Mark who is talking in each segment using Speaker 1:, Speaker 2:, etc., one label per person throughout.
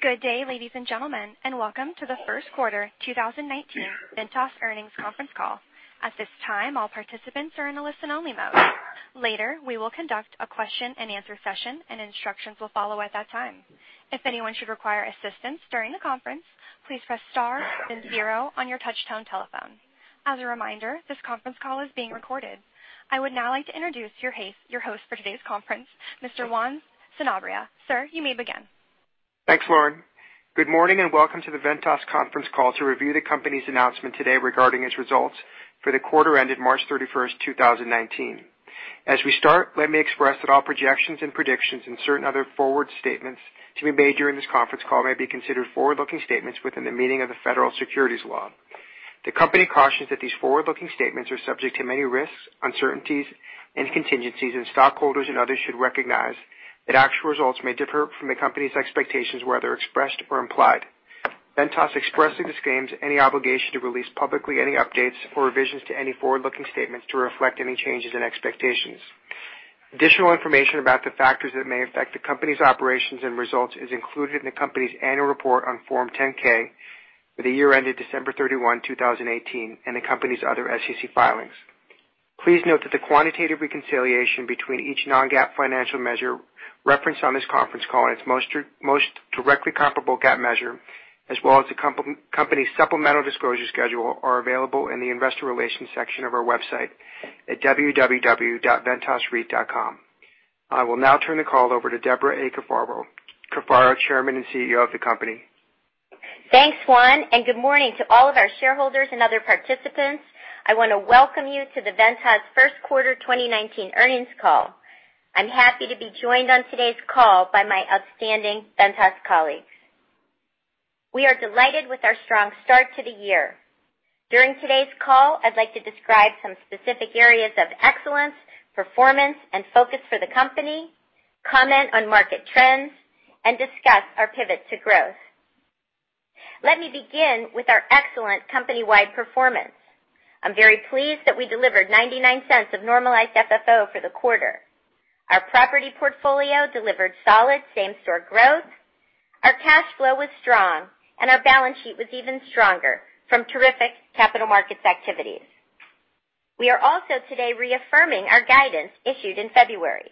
Speaker 1: Good day, ladies and gentlemen, and welcome to the first quarter 2019 Ventas earnings conference call. At this time, all participants are in a listen-only mode. Later, we will conduct a question-and-answer session, and instructions will follow at that time. If anyone should require assistance during the conference, please press star 0 on your touchtone telephone. As a reminder, this conference call is being recorded. I would now like to introduce your host for today's conference, Mr. Juan Sanabria. Sir, you may begin.
Speaker 2: Thanks, Lauren. Good morning, and welcome to the Ventas conference call to review the company's announcement today regarding its results for the quarter ended March 31st, 2019. As we start, let me express that all projections and predictions and certain other forward statements to be made during this conference call may be considered forward-looking statements within the meaning of the Federal Securities Law. The company cautions that these forward-looking statements are subject to many risks, uncertainties, and contingencies, and stockholders and others should recognize that actual results may differ from the company's expectations, whether expressed or implied. Ventas expressly disclaims any obligation to release publicly any updates or revisions to any forward-looking statements to reflect any changes in expectations. Additional information about the factors that may affect the company's operations and results is included in the company's annual report on Form 10-K for the year ended December 31, 2018, and the company's other SEC filings. Please note that the quantitative reconciliation between each non-GAAP financial measure referenced on this conference call and its most directly comparable GAAP measure, as well as the company's supplemental disclosure schedule, are available in the investor relations section of our website at www.ventasreit.com. I will now turn the call over to Debra A. Cafaro, Chairman and CEO of the company.
Speaker 3: Thanks, Juan. Good morning to all of our shareholders and other participants. I wanna welcome you to the Ventas first quarter 2019 earnings call. I'm happy to be joined on today's call by my outstanding Ventas colleagues. We are delighted with our strong start to the year. During today's call, I'd like to describe some specific areas of excellence, performance, and focus for the company, comment on market trends, and discuss our pivot to growth. Let me begin with our excellent company-wide performance. I'm very pleased that we delivered $0.99 of normalized FFO for the quarter. Our property portfolio delivered solid same-store growth, our cash flow was strong, and our balance sheet was even stronger from terrific capital markets activities. We are also today reaffirming our guidance issued in February.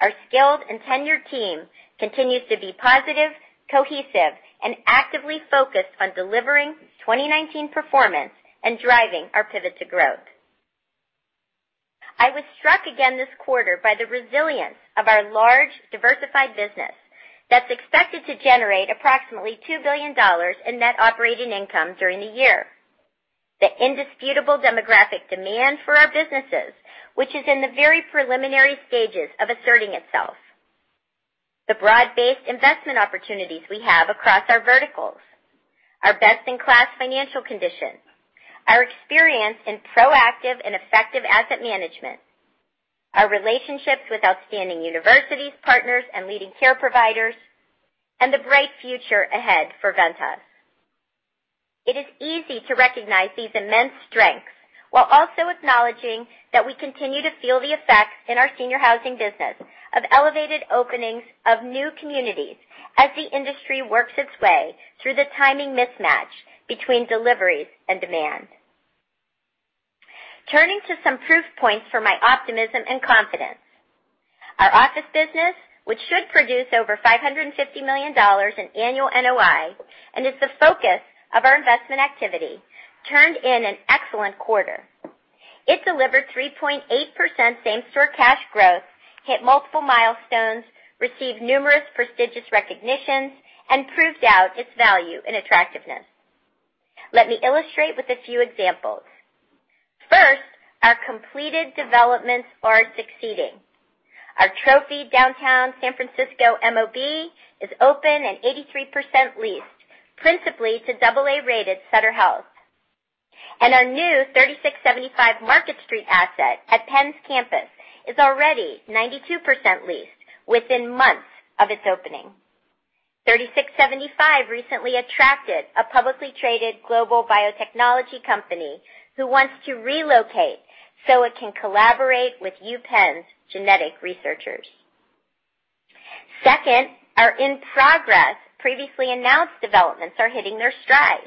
Speaker 3: Our skilled and tenured team continues to be positive, cohesive, and actively focused on delivering 2019 performance and driving our pivot to growth. I was struck again this quarter by the resilience of our large, diversified business that's expected to generate approximately $2 billion in net operating income during the year. The indisputable demographic demand for our businesses, which is in the very preliminary stages of asserting itself. The broad-based investment opportunities we have across our verticals, our best-in-class financial condition, our experience in proactive and effective asset management, our relationships with outstanding universities, partners, and leading care providers, and the bright future ahead for Ventas. It is easy to recognize these immense strengths while also acknowledging that we continue to feel the effects in our senior housing business of elevated openings of new communities as the industry works its way through the timing mismatch between deliveries and demand. Turning to some proof points for my optimism and confidence. Our office business, which should produce over $550 million in annual NOI and is the focus of our investment activity, turned in an excellent quarter. It delivered 3.8% same-store cash growth, hit multiple milestones, received numerous prestigious recognitions, and proved out its value and attractiveness. Let me illustrate with a few examples. First, our completed developments are succeeding. Our trophy downtown San Francisco MOB is open and 83% leased, principally to AA-rated Sutter Health. Our new 3675 Market Street asset at UPenn's campus is already 92% leased within months of its opening. 3675 recently attracted a publicly traded global biotechnology company who wants to relocate so it can collaborate with UPenn's genetic researchers. Second, our in-progress previously announced developments are hitting their stride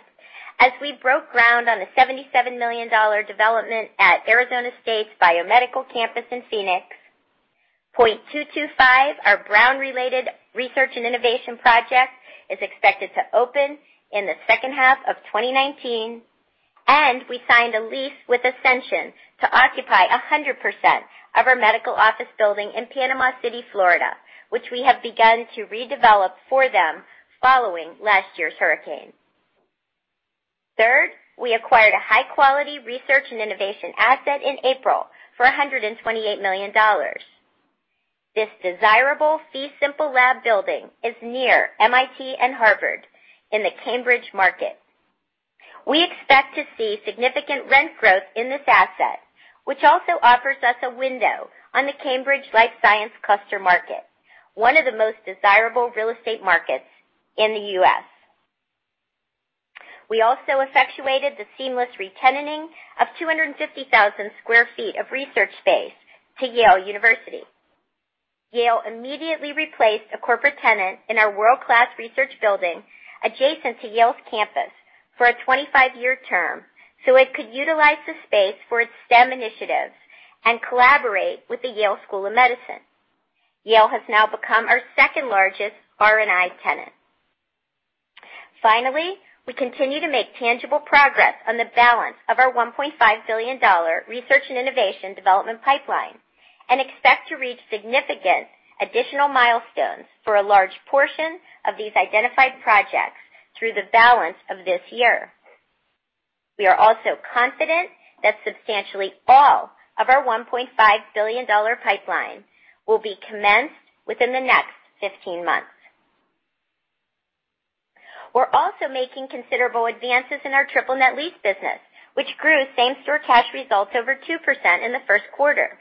Speaker 3: as we broke ground on the $77 million development at Arizona State University's Biomedical Campus in Phoenix. Point225, our Brown University-related research and innovation project, is expected to open in the second half of 2019, and we signed a lease with Ascension to occupy 100% of our medical office building in Panama City, Florida, which we have begun to redevelop for them following last year's hurricane. Third, we acquired a high-quality research and innovation asset in April for $128 million. This desirable fee-simple lab building is near MIT and Harvard in the Cambridge market. We expect to see significant rent growth in this asset, which also offers us a window on the Cambridge life science cluster market, one of the most desirable real estate markets in the U.S. We also effectuated the seamless re-tenanting of 250,000 sq ft of research space to Yale University. Yale immediately replaced a corporate tenant in our world-class research building adjacent to Yale's campus for a 25-year term, so it could utilize the space for its STEM initiatives and collaborate with the Yale School of Medicine. Yale has now become our second largest R&I tenant. Finally, we continue to make tangible progress on the balance of our $1.5 billion research and innovation development pipeline. We expect to reach significant additional milestones for a large portion of these identified projects through the balance of this year. We are also confident that substantially all of our $1.5 billion pipeline will be commenced within the next 15 months. We're also making considerable advances in our triple net lease business, which grew same-store cash results over 2% in the first quarter.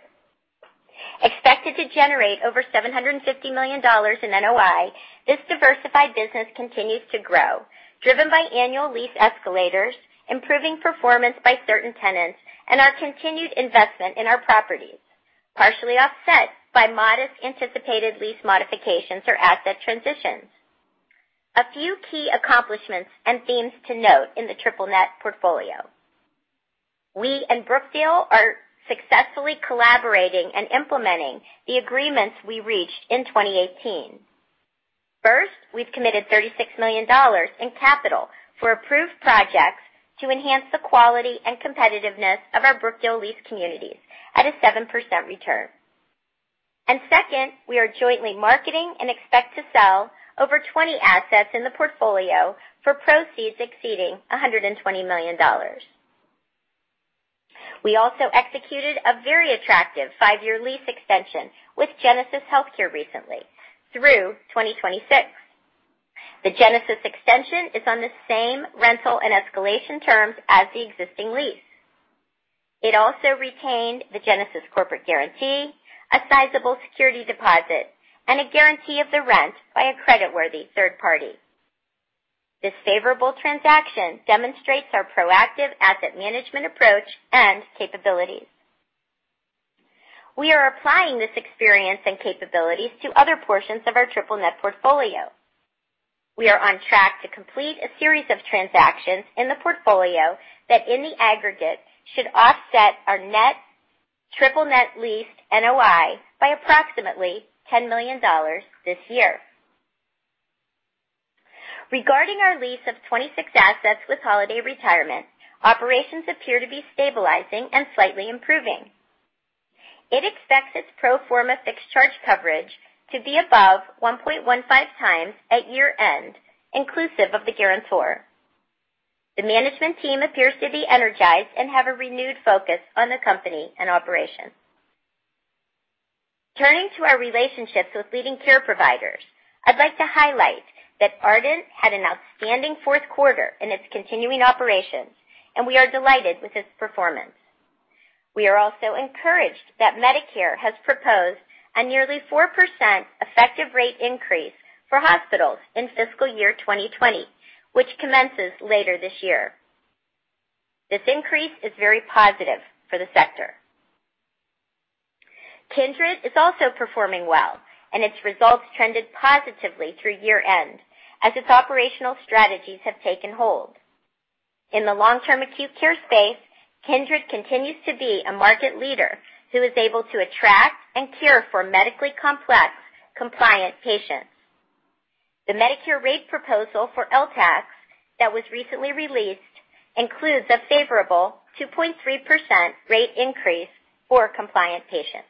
Speaker 3: Expected to generate over $750 million in NOI, this diversified business continues to grow, driven by annual lease escalators, improving performance by certain tenants, and our continued investment in our properties, partially offset by modest anticipated lease modifications or asset transitions. A few key accomplishments and themes to note in the triple net portfolio. We and Brookfield are successfully collaborating and implementing the agreements we reached in 2018. First, we've committed $36 million in capital for approved projects to enhance the quality and competitiveness of our Brookfield lease communities at a 7% return. Second, we are jointly marketing and expect to sell over 20 assets in the portfolio for proceeds exceeding $120 million. We also executed a very attractive five-year lease extension with Genesis HealthCare recently through 2026. The Genesis extension is on the same rental and escalation terms as the existing lease. It also retained the Genesis corporate guarantee, a sizable security deposit, and a guarantee of the rent by a creditworthy third party. This favorable transaction demonstrates our proactive asset management approach and capabilities. We are applying this experience and capabilities to other portions of our triple net portfolio. We are on track to complete a series of transactions in the portfolio that, in the aggregate, should offset our net triple net leased NOI by approximately $10 million this year. Regarding our lease of 26 assets with Holiday Retirement, operations appear to be stabilizing and slightly improving. It expects its pro forma fixed charge coverage to be above 1.15x at year-end, inclusive of the guarantor. The management team appears to be energized and have a renewed focus on the company and operations. Turning to our relationships with leading care providers, I'd like to highlight that Ardent had an outstanding fourth quarter in its continuing operations, and we are delighted with its performance. We are also encouraged that Medicare has proposed a nearly 4% effective rate increase for hospitals in fiscal year 2020, which commences later this year. This increase is very positive for the sector. Kindred is also performing well, and its results trended positively through year-end as its operational strategies have taken hold. In the long-term acute care space, Kindred continues to be a market leader who is able to attract and care for medically complex compliant patients. The Medicare rate proposal for LTACs that was recently released includes a favorable 2.3% rate increase for compliant patients.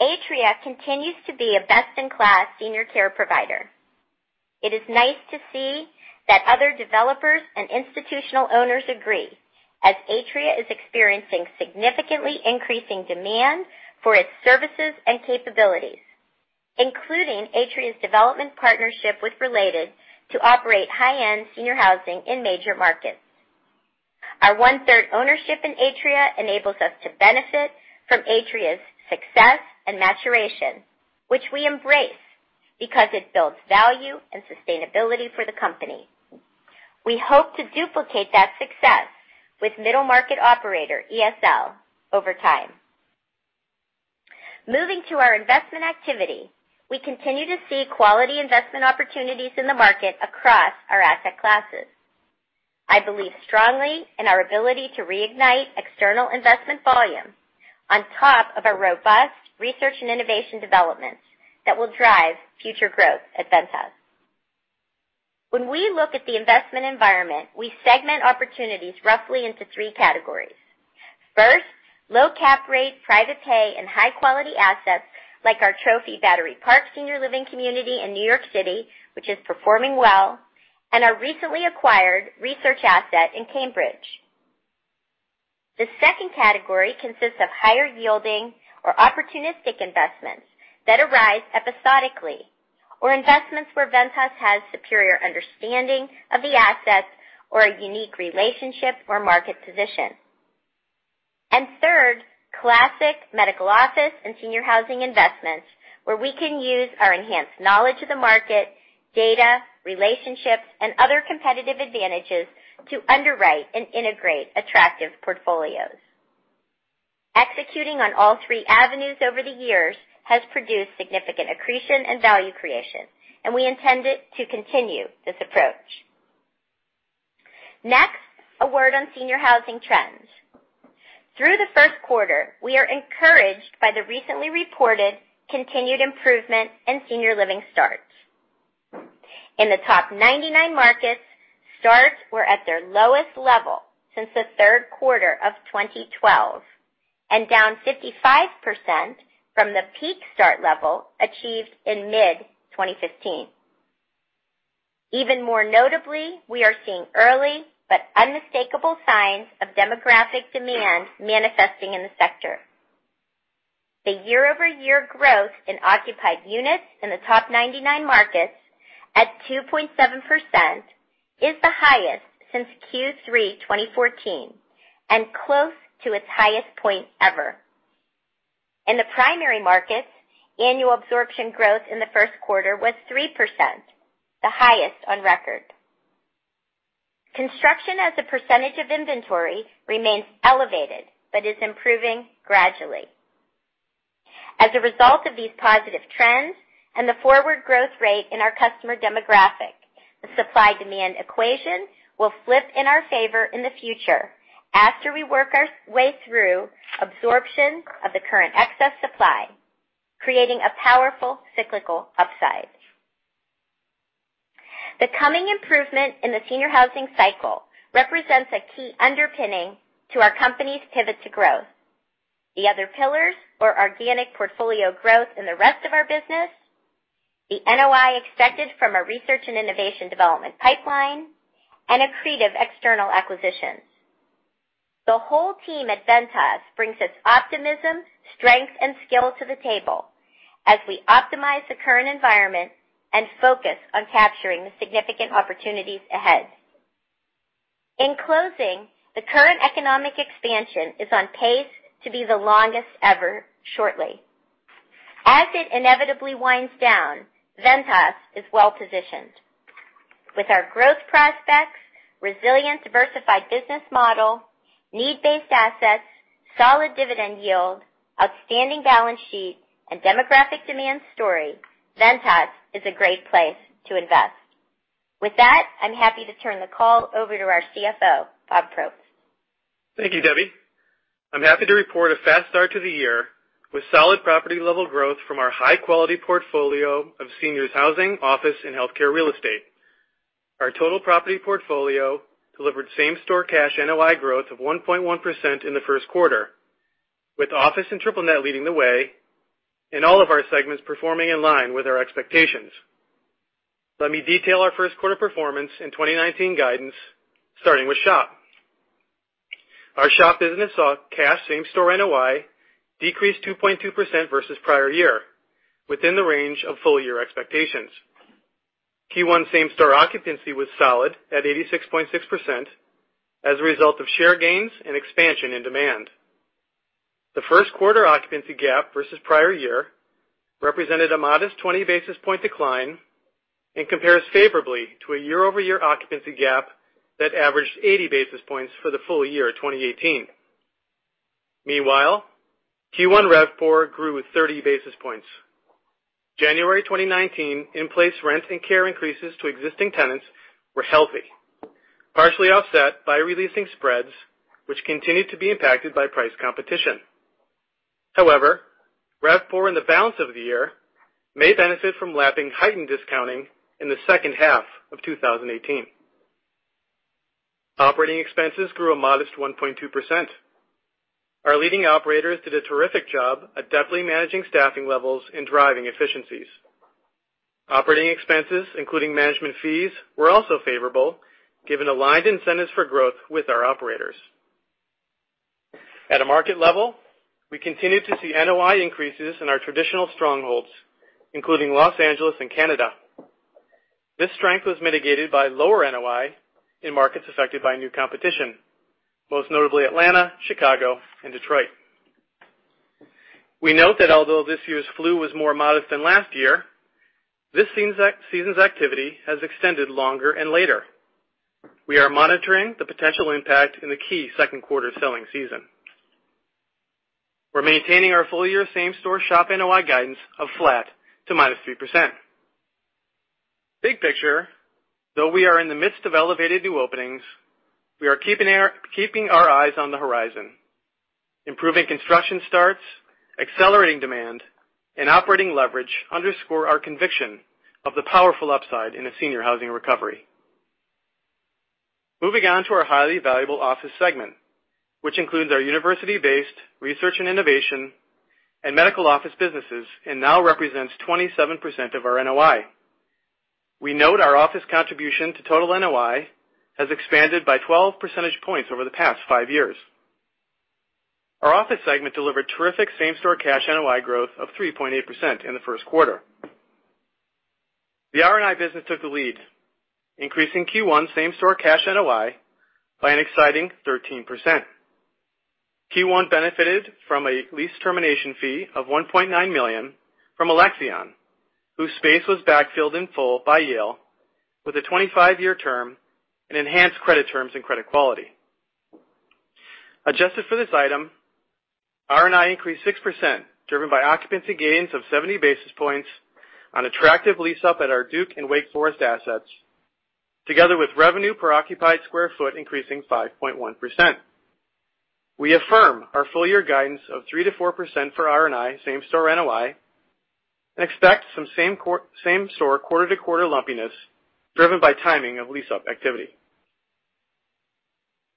Speaker 3: Atria continues to be a best-in-class senior care provider. It is nice to see that other developers and institutional owners agree, as Atria is experiencing significantly increasing demand for its services and capabilities, including Atria's development partnership with Related to operate high-end senior housing in major markets. Our one-third ownership in Atria enables us to benefit from Atria's success and maturation, which we embrace, because it builds value and sustainability for the company. We hope to duplicate that success with middle market operator ESL over time. Moving to our investment activity, we continue to see quality investment opportunities in the market across our asset classes. I believe strongly in our ability to reignite external investment volume on top of our robust research and innovation developments that will drive future growth at Ventas. When we look at the investment environment, we segment opportunities roughly into three categories. First, low cap rate, private pay, and high-quality assets like our trophy Battery Park senior living community in New York City, which is performing well, and our recently acquired research asset in Cambridge. The second category consists of higher yielding or opportunistic investments that arise episodically, or investments where Ventas has superior understanding of the assets or a unique relationship or market position. Third, classic medical office and senior housing investments where we can use our enhanced knowledge of the market, data, relationships, and other competitive advantages to underwrite and integrate attractive portfolios. Executing on all three avenues over the years has produced significant accretion and value creation, and we intend it to continue this approach. Next, a word on senior housing trends. Through the first quarter, we are encouraged by the recently reported continued improvement in senior living starts. In the top 99 markets, starts were at their lowest level since the third quarter of 2012, and down 55% from the peak start level achieved in mid-2015. Even more notably, we are seeing early but unmistakable signs of demographic demand manifesting in the sector. The year-over-year growth in occupied units in the top 99 markets at 2.7% is the highest since Q3 2014, and close to its highest point ever. In the primary markets, annual absorption growth in the first quarter was 3%, the highest on record. Construction as a percentage of inventory remains elevated, but is improving gradually. As a result of these positive trends and the forward growth rate in our customer demographic, the supply-demand equation will flip in our favor in the future after we work our way through absorption of the current excess supply, creating a powerful cyclical upside. The coming improvement in the senior housing cycle represents a key underpinning to our company's pivot to growth. The other pillars are organic portfolio growth in the rest of our business, the NOI expected from our research and innovation development pipeline, and accretive external acquisitions. The whole team at Ventas brings its optimism, strength, and skill to the table as we optimize the current environment and focus on capturing the significant opportunities ahead. In closing, the current economic expansion is on pace to be the longest ever shortly. As it inevitably winds down, Ventas is well-positioned. With our growth prospects, resilient diversified business model, need-based assets, solid dividend yield, outstanding balance sheet, and demographic demand story, Ventas is a great place to invest. With that, I'm happy to turn the call over to our CFO, Robert F. Probst.
Speaker 4: Thank you, Debbie. I'm happy to report a fast start to the year with solid property-level growth from our high-quality portfolio of seniors housing, office, and healthcare real estate. Our total property portfolio delivered same-store cash NOI growth of 1.1% in the first quarter, with office and triple net leading the way, and all of our segments performing in line with our expectations. Let me detail our first quarter performance and 2019 guidance starting with SHOP. Our SHOP business saw cash same-store NOI decrease 2.2% versus prior year, within the range of full-year expectations. Q1 same-store occupancy was solid at 86.6% as a result of share gains and expansion in demand. The first quarter occupancy gap versus prior year represented a modest 20 basis points decline and compares favorably to a year-over-year occupancy gap that averaged 80 basis points for the full year 2018. Meanwhile, Q1 RevPAR grew 30 basis points. January 2019 in-place rent and care increases to existing tenants were healthy, partially offset by re-leasing spreads which continued to be impacted by price competition. RevPAR in the balance of the year may benefit from lapping heightened discounting in the second half of 2018. Operating expenses grew a modest 1.2%. Our leading operators did a terrific job at deftly managing staffing levels and driving efficiencies. Operating expenses, including management fees, were also favorable given aligned incentives for growth with our operators. At a market level, we continued to see NOI increases in our traditional strongholds, including Los Angeles and Canada. This strength was mitigated by lower NOI in markets affected by new competition, most notably Atlanta, Chicago, and Detroit. We note that although this year's flu was more modest than last year, this season's activity has extended longer and later. We are monitoring the potential impact in the key second quarter selling season. We're maintaining our full-year same-store SHOP NOI guidance of flat to -3%. Big picture, though we are in the midst of elevated new openings, we are keeping our eyes on the horizon. Improving construction starts, accelerating demand, and operating leverage underscore our conviction of the powerful upside in a senior housing recovery. Moving on to our highly valuable office segment, which includes our university-based research and innovation and medical office businesses, and now represents 27% of our NOI. We note our office contribution to total NOI has expanded by 12 percentage points over the past five years. Our office segment delivered terrific same-store cash NOI growth of 3.8% in the 1st quarter. The R&I business took the lead, increasing Q1 same-store cash NOI by an exciting 13%. Q1 benefited from a lease termination fee of $1.9 million from Alexion, whose space was backfilled in full by Yale with a 25-year term and enhanced credit terms and credit quality. Adjusted for this item, R&I increased 6%, driven by occupancy gains of 70 basis points on attractive lease up at our Duke and Wake Forest assets, together with revenue per occupied square foot increasing 5.1%. We affirm our full year guidance of 3% to 4% for R&I same-store NOI and expect some same-store quarter-to-quarter lumpiness driven by timing of lease-up activity.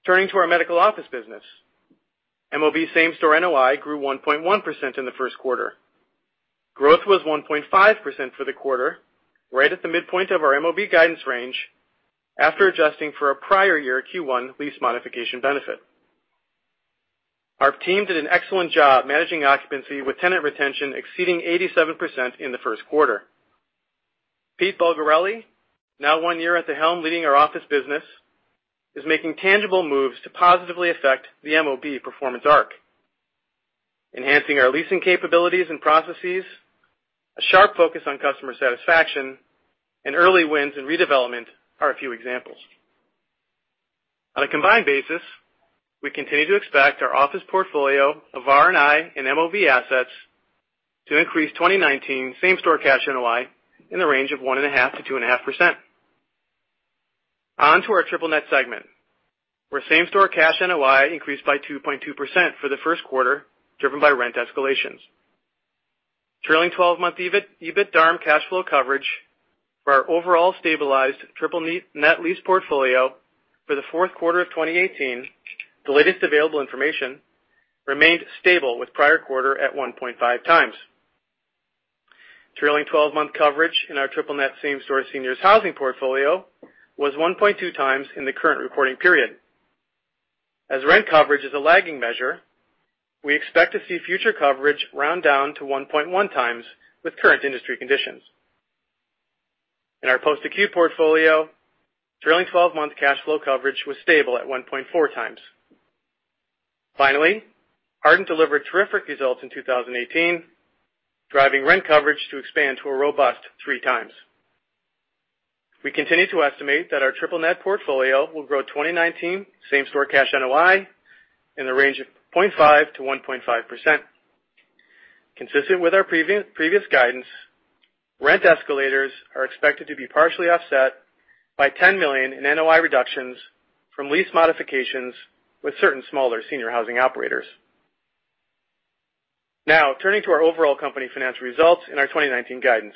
Speaker 4: Turning to our medical office business. MOB same-store NOI grew 1.1% in the first quarter. Growth was 1.5% for the quarter, right at the midpoint of our MOB guidance range after adjusting for a prior year Q1 lease modification benefit. Our team did an excellent job managing occupancy with tenant retention exceeding 87% in the first quarter. Pete Bulgarelli, now one year at the helm leading our office business, is making tangible moves to positively affect the MOB performance arc. Enhancing our leasing capabilities and processes, a sharp focus on customer satisfaction, and early wins in redevelopment are a few examples. On a combined basis, we continue to expect our office portfolio of R&I and MOB assets to increase 2019 same-store cash NOI in the range of 1.5%-2.5%. On to our triple net segment, where same-store cash NOI increased by 2.2% for the first quarter, driven by rent escalations. Trailing twelve-month EBIT, EBITDA and cash flow coverage for our overall stabilized triple net lease portfolio for the fourth quarter of 2018, the latest available information, remained stable with prior quarter at 1.5x. Trailing twelve-month coverage in our triple net same-store seniors housing portfolio was 1.2x in the current reporting period. As rent coverage is a lagging measure, we expect to see future coverage round down to 1.1x with current industry conditions. In our post-acute portfolio, trailing 12-month cash flow coverage was stable at 1.4x. Finally, Ardent delivered terrific results in 2018, driving rent coverage to expand to a robust 3 times. We continue to estimate that our triple net portfolio will grow 2019 same-store cash NOI in the range of 0.5%-1.5%. Consistent with our previous guidance, rent escalators are expected to be partially offset by $10 million in NOI reductions from lease modifications with certain smaller senior housing operators. Turning to our overall company financial results and our 2019 guidance.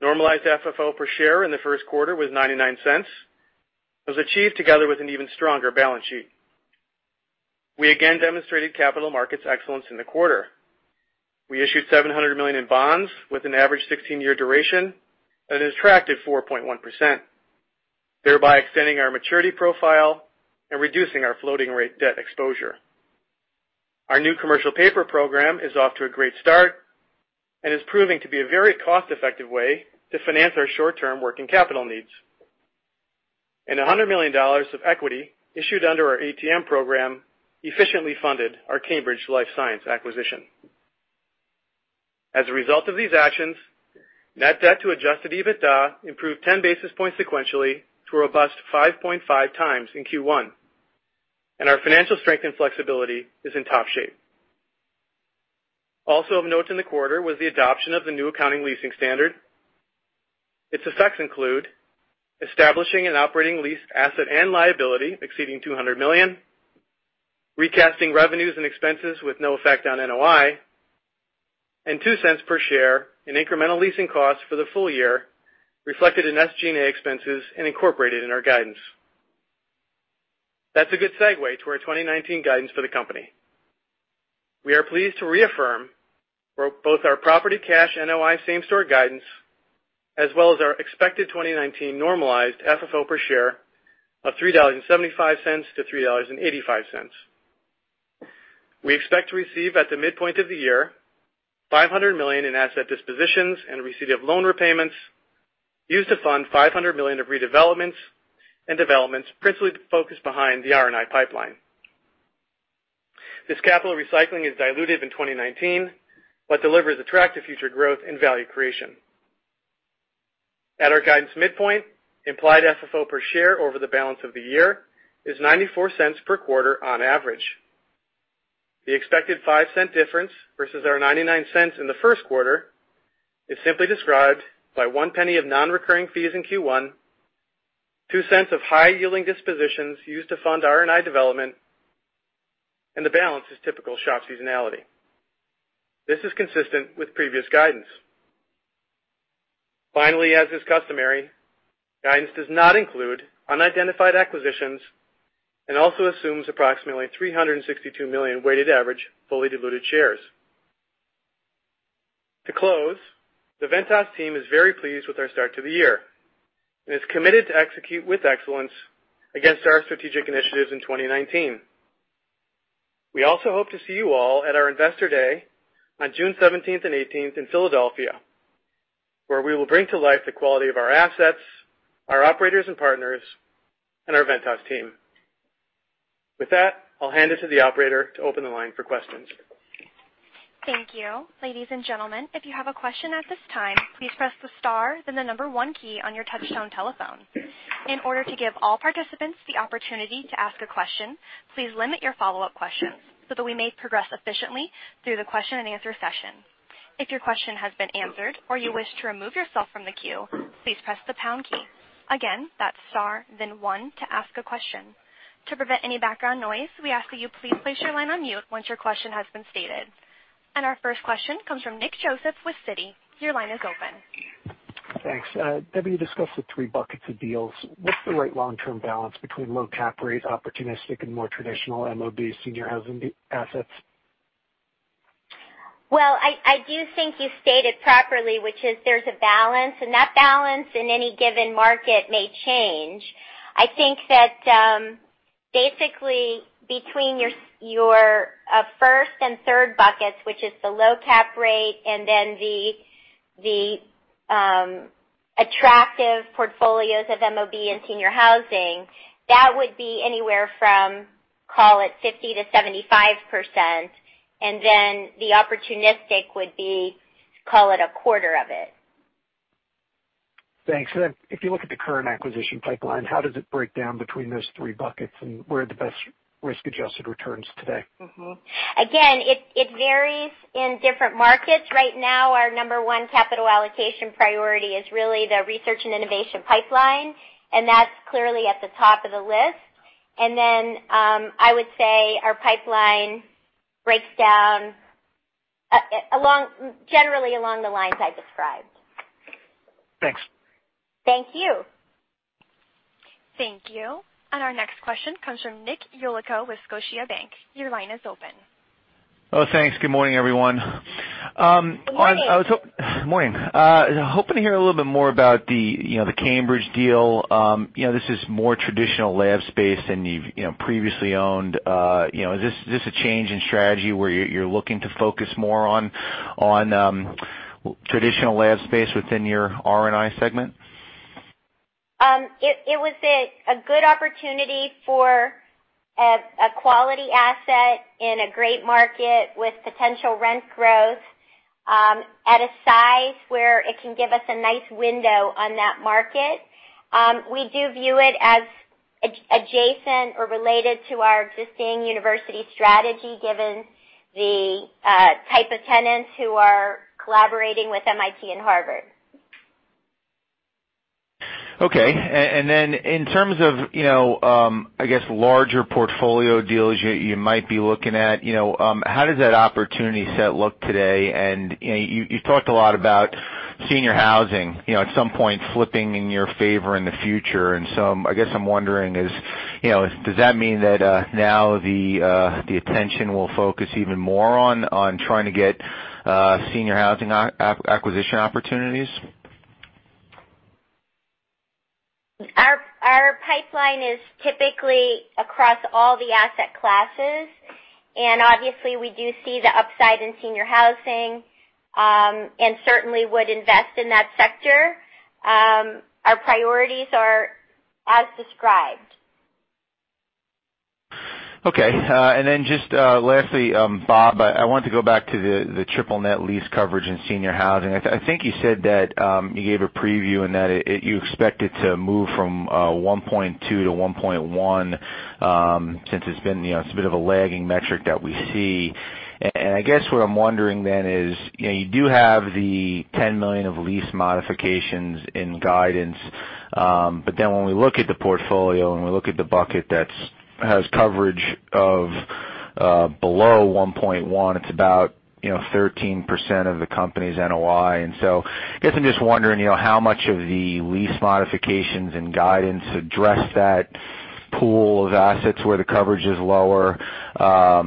Speaker 4: Normalized FFO per share in the first quarter was $0.99. It was achieved together with an even stronger balance sheet. We again demonstrated capital markets excellence in the quarter. We issued $700 million in bonds with an average 16-year duration at an attractive 4.1%, thereby extending our maturity profile and reducing our floating rate debt exposure. Our new commercial paper program is off to a great start and is proving to be a very cost-effective way to finance our short-term working capital needs. A hundred million dollars of equity issued under our ATM program efficiently funded our Cambridge Life Science acquisition. As a result of these actions, net debt to adjusted EBITDA improved 10 basis points sequentially to a robust 5.5x in Q1, and our financial strength and flexibility is in top shape. Also of note in the quarter was the adoption of the new accounting leasing standard. Its effects include establishing an operating lease asset and liability exceeding $200 million, recasting revenues and expenses with no effect on NOI, and $0.02 per share in incremental leasing costs for the full year reflected in SG&A expenses and incorporated in our guidance. That's a good segue to our 2019 guidance for the company. We are pleased to reaffirm for both our property cash NOI same-store guidance, as well as our expected 2019 normalized FFO per share of $3.75 to $3.85. We expect to receive at the midpoint of the year $500 million in asset dispositions and receipt of loan repayments used to fund $500 million of redevelopments and developments principally focused behind the R&I pipeline. This capital recycling is dilutive in 2019, but delivers attractive future growth and value creation. At our guidance midpoint, implied FFO per share over the balance of the year is $0.94 per quarter on average. The expected $0.05 difference versus our $0.99 in the first quarter is simply described by $0.01 of non-recurring fees in Q1, $0.02 of high-yielding dispositions used to fund R&I development, and the balance is typical SHOP seasonality. This is consistent with previous guidance. Finally, as is customary, guidance does not include unidentified acquisitions and also assumes approximately 362 million weighted average fully diluted shares. To close, the Ventas team is very pleased with our start to the year and is committed to execute with excellence against our strategic initiatives in 2019. We also hope to see you all at our Investor Day on June 17th and 18th in Philadelphia, where we will bring to life the quality of our assets, our operators and partners, and our Ventas team. With that, I'll hand it to the operator to open the line for questions.
Speaker 1: Thank you. Ladies and gentlemen, if you have a question at this time, please press the star, then the number 1 key on your touchtone telephone. In order to give all participants the opportunity to ask a question, please limit your follow-up questions so that we may progress efficiently through the question-and-answer session. If your question has been answered or you wish to remove yourself from the queue, please press the pound key. Again, that's star then 1 to ask a question. To prevent any background noise, we ask that you please place your line on mute once your question has been stated. Our first question comes from Nick Joseph with Citigroup. Your line is open.
Speaker 5: Thanks. Debbie, you discussed the three buckets of deals. What's the right long-term balance between low cap rates, opportunistic, and more traditional MOB senior housing assets?
Speaker 3: Well, I do think you stated properly, which is there's a balance, and that balance in any given market may change. I think that basically between your first and third buckets, which is the low cap rate and then the attractive portfolios of MOB and senior housing, that would be anywhere from, call it 50%-75%, and then the opportunistic would be, call it a quarter of it.
Speaker 5: Thanks. If you look at the current acquisition pipeline, how does it break down between those three buckets and where are the best risk-adjusted returns today?
Speaker 3: Again, it varies in different markets. Right now, our number one capital allocation priority is really the research and innovation pipeline. That's clearly at the top of the list. Then, I would say our pipeline breaks down along, generally along the lines I described.
Speaker 5: Thanks.
Speaker 3: Thank you.
Speaker 1: Thank you. Our next question comes from Nicholas Yulico with Scotiabank. Your line is open.
Speaker 6: Oh, thanks. Good morning, everyone.
Speaker 3: Good morning.
Speaker 6: Morning. Hoping to hear a little bit more about the, you know, the Cambridge deal. You know, this is more traditional lab space than you've, you know, previously owned. You know, is this a change in strategy where you're looking to focus more on traditional lab space within your R&I segment?
Speaker 3: It was a good opportunity for a quality asset in a great market with potential rent growth at a size where it can give us a nice window on that market. We do view it as adjacent or related to our existing university strategy, given the type of tenants who are collaborating with MIT and Harvard.
Speaker 6: Okay. Then in terms of, you know, I guess, larger portfolio deals you might be looking at, you know, how does that opportunity set look today? You know, you talked a lot about senior housing, you know, at some point flipping in your favor in the future. I guess I'm wondering is, you know, does that mean that now the attention will focus even more on trying to get senior housing acquisition opportunities?
Speaker 3: Our pipeline is typically across all the asset classes, and obviously, we do see the upside in senior housing, and certainly would invest in that sector. Our priorities are as described.
Speaker 6: Okay. Just, lastly, Bob, I wanted to go back to the triple net lease coverage in senior housing. I think you said that you gave a preview and that you expect it to move from 1.2 to 1.1, since it's been, you know, it's a bit of a lagging metric that we see. I guess what I'm wondering then is, you know, you do have the $10 million of lease modifications in guidance, but then when we look at the portfolio and we look at the bucket that's has coverage of below 1.1, it's about, you know, 13% of the company's NOI. I guess I'm just wondering, you know, how much of the lease modifications and guidance address that pool of assets where the coverage is lower. At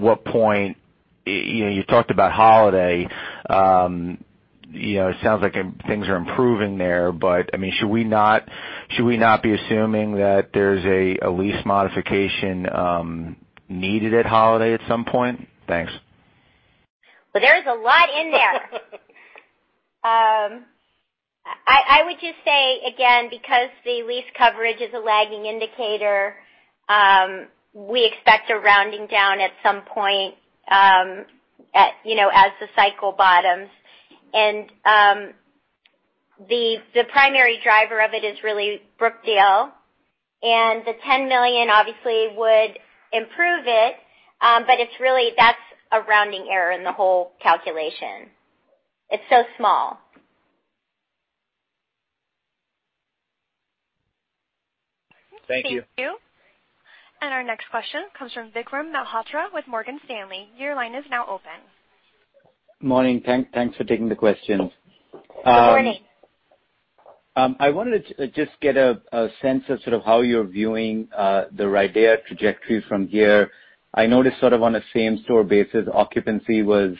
Speaker 6: what point, you know, you talked about Holiday, you know, it sounds like things are improving there. I mean, should we not be assuming that there's a lease modification needed at Holiday at some point? Thanks.
Speaker 3: Well, there's a lot in there. I would just say again, because the lease coverage is a lagging indicator, we expect a rounding down at some point, at, you know, as the cycle bottoms. The primary driver of it is really Brookdale, and the $10 million obviously would improve it, but it's really, that's a rounding error in the whole calculation. It's so small.
Speaker 6: Thank you.
Speaker 1: Thank you. Our next question comes from Vikram Malhotra with Morgan Stanley. Your line is now open.
Speaker 7: Morning. Thanks for taking the questions.
Speaker 3: Good morning.
Speaker 7: I wanted to just get a sense of sort of how you're viewing the RIDEA trajectory from here. I noticed sort of on a same-store basis, occupancy was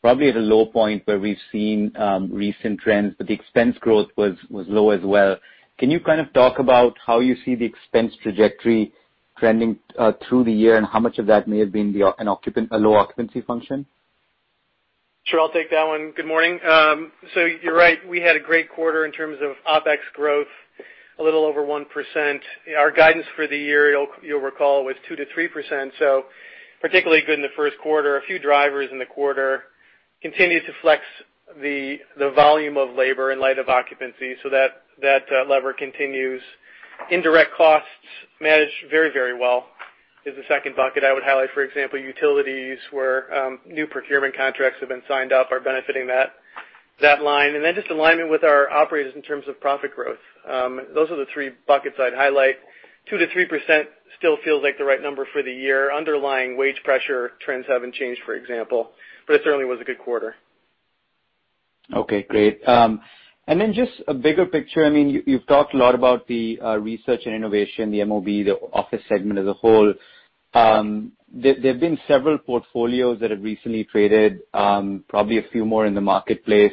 Speaker 7: probably at a low point where we've seen recent trends, but the expense growth was low as well. Can you kind of talk about how you see the expense trajectory trending through the year and how much of that may have been a low occupancy function?
Speaker 4: Sure. I'll take that one. Good morning. You're right, we had a great quarter in terms of OpEx growth, a little over 1%. Our guidance for the year, you'll recall, was 2%-3%, particularly good in the first quarter. A few drivers in the quarter continued to flex the volume of labor in light of occupancy so that lever continues. Indirect costs managed very, very well is the second bucket I would highlight. For example, utilities where new procurement contracts have been signed up are benefiting that line. Just alignment with our operators in terms of profit growth. Those are the three buckets I'd highlight. 2%-3% still feels like the right number for the year. Underlying wage pressure trends haven't changed, for example, it certainly was a good quarter.
Speaker 7: Okay, great. Then just a bigger picture. I mean, you've talked a lot about the research and innovation, the MOB, the office segment as a whole. There have been several portfolios that have recently traded, probably a few more in the marketplace.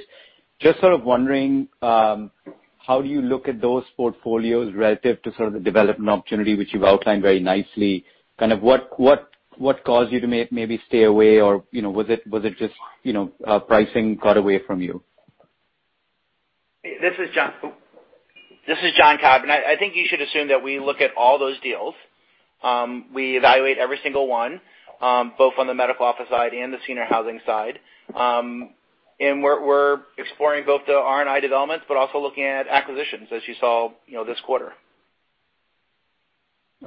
Speaker 7: Just sort of wondering, how do you look at those portfolios relative to sort of the development opportunity which you've outlined very nicely? Kind of what caused you to maybe stay away or, you know, was it just, you know, pricing got away from you?
Speaker 8: This is John. This is John Cobb, and I think you should assume that we look at all those deals. We evaluate every single one, both on the medical office side and the senior housing side. We're exploring both the R&I developments, but also looking at acquisitions as you saw, you know, this quarter.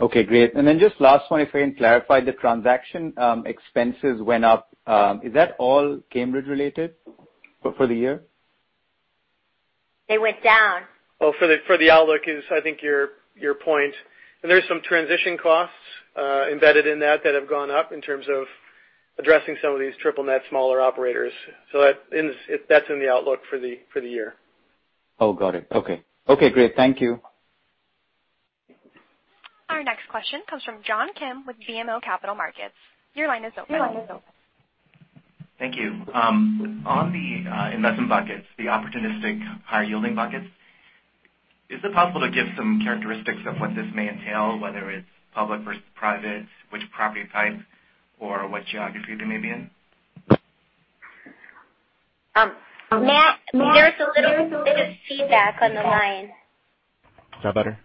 Speaker 7: Okay, great. Just last one, if we can clarify the transaction, expenses went up. Is that all Cambridge related for the year?
Speaker 3: They went down.
Speaker 4: Well, for the outlook is I think your point. There's some transition costs embedded in that that have gone up in terms of addressing some of these triple net smaller operators. That's in the outlook for the year.
Speaker 7: Oh, got it. Okay. Okay, great. Thank you.
Speaker 1: Our next question comes from John Kim with BMO Capital Markets. Your line is open.
Speaker 9: Thank you. On the investment buckets, the opportunistic high yielding buckets, is it possible to give some characteristics of what this may entail, whether it's public versus private, which property type or what geography they may be in?
Speaker 3: Matt, there's a little bit of feedback on the line.
Speaker 9: Is that better?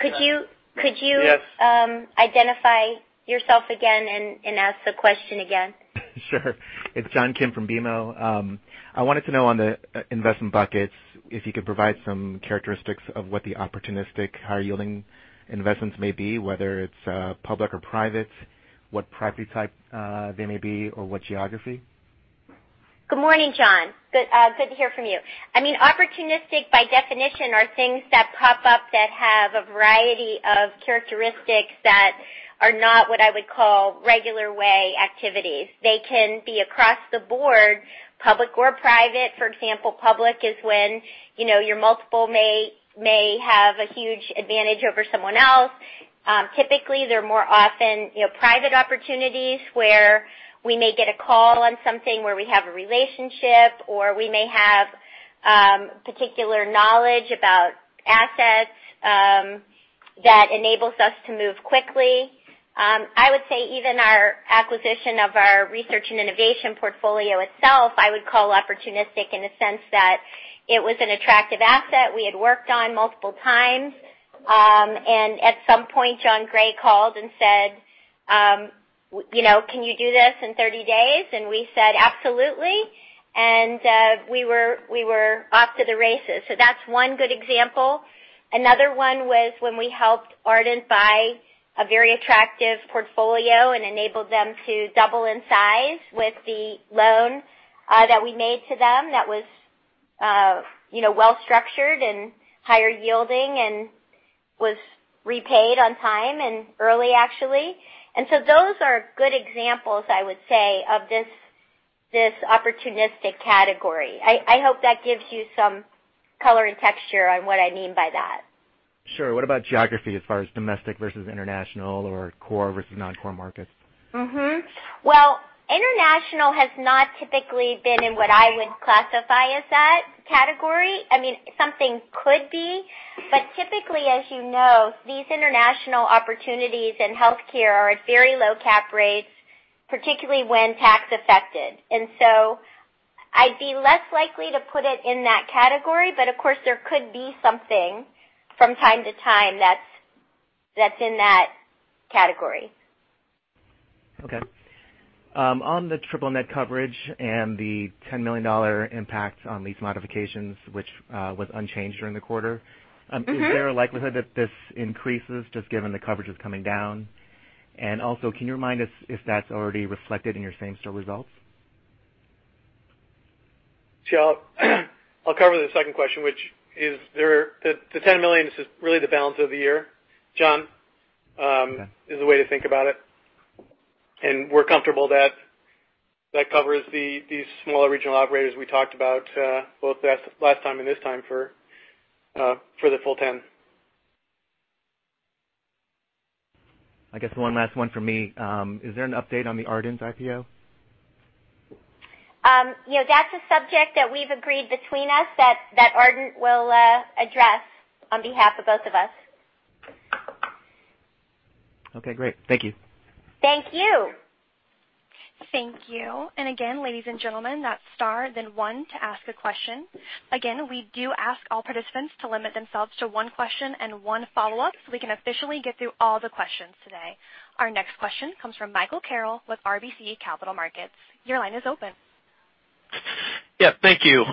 Speaker 3: Could you-
Speaker 9: Yes.
Speaker 3: Could you identify yourself again and ask the question again?
Speaker 9: Sure. It's John Kim from BMO. I wanted to know on the investment buckets if you could provide some characteristics of what the opportunistic high yielding investments may be, whether it's public or private, what property type, they may be or what geography.
Speaker 3: Good morning, John. Good to hear from you. I mean, opportunistic by definition are things that pop up that have a variety of characteristics that are not what I would call regular way activities. They can be across the board, public or private. For example, public is when, you know, your multiple may have a huge advantage over someone else. Typically, they're more often, you know, private opportunities where we may get a call on something where we have a relationship or we may have particular knowledge about assets that enables us to move quickly. I would say even our acquisition of our research and innovation portfolio itself, I would call opportunistic in the sense that it was an attractive asset we had worked on multiple times. At some point, Jon Gray called and said, you know, "Can you do this in 30 days?" We said, "Absolutely." We were off to the races. That's one good example. Another one was when we helped Ardent buy a very attractive portfolio and enabled them to double in size with the loan that we made to them that was, you know, well structured and higher yielding and was repaid on time and early, actually. Those are good examples, I would say of this opportunistic category. I hope that gives you some color and texture on what I mean by that.
Speaker 9: Sure. What about geography as far as domestic versus international or core versus non-core markets?
Speaker 3: Well, international has not typically been in what I would classify as that category. I mean, something could be, but typically, as you know, these international opportunities in healthcare are at very low cap rates, particularly when tax affected. I'd be less likely to put it in that category. Of course, there could be something from time to time that's in that category.
Speaker 9: Okay. On the triple net coverage and the $10 million impact on lease modifications, which was unchanged during the quarter. Is there a likelihood that this increases just given the coverage is coming down? Also, can you remind us if that's already reflected in your same store results?
Speaker 4: I'll cover the second question, which is the $10 million is just really the balance of the year, John.
Speaker 9: Okay.
Speaker 4: Is the way to think about it. We're comfortable that that covers the smaller regional operators we talked about, both last time and this time for the full 10.
Speaker 9: I guess one last one for me. Is there an update on the Ardent's IPO?
Speaker 3: You know, that's a subject that we've agreed between us that Ardent will address on behalf of both of us.
Speaker 9: Okay, great. Thank you.
Speaker 3: Thank you.
Speaker 1: Thank you. Again, ladies and gentlemen, that's star 1 to ask a question. Again, we do ask all participants to limit themselves to 1 question and 1 follow-up so we can officially get through all the questions today. Our next question comes from Michael Carroll with RBC Capital Markets. Your line is open.
Speaker 10: Thank you.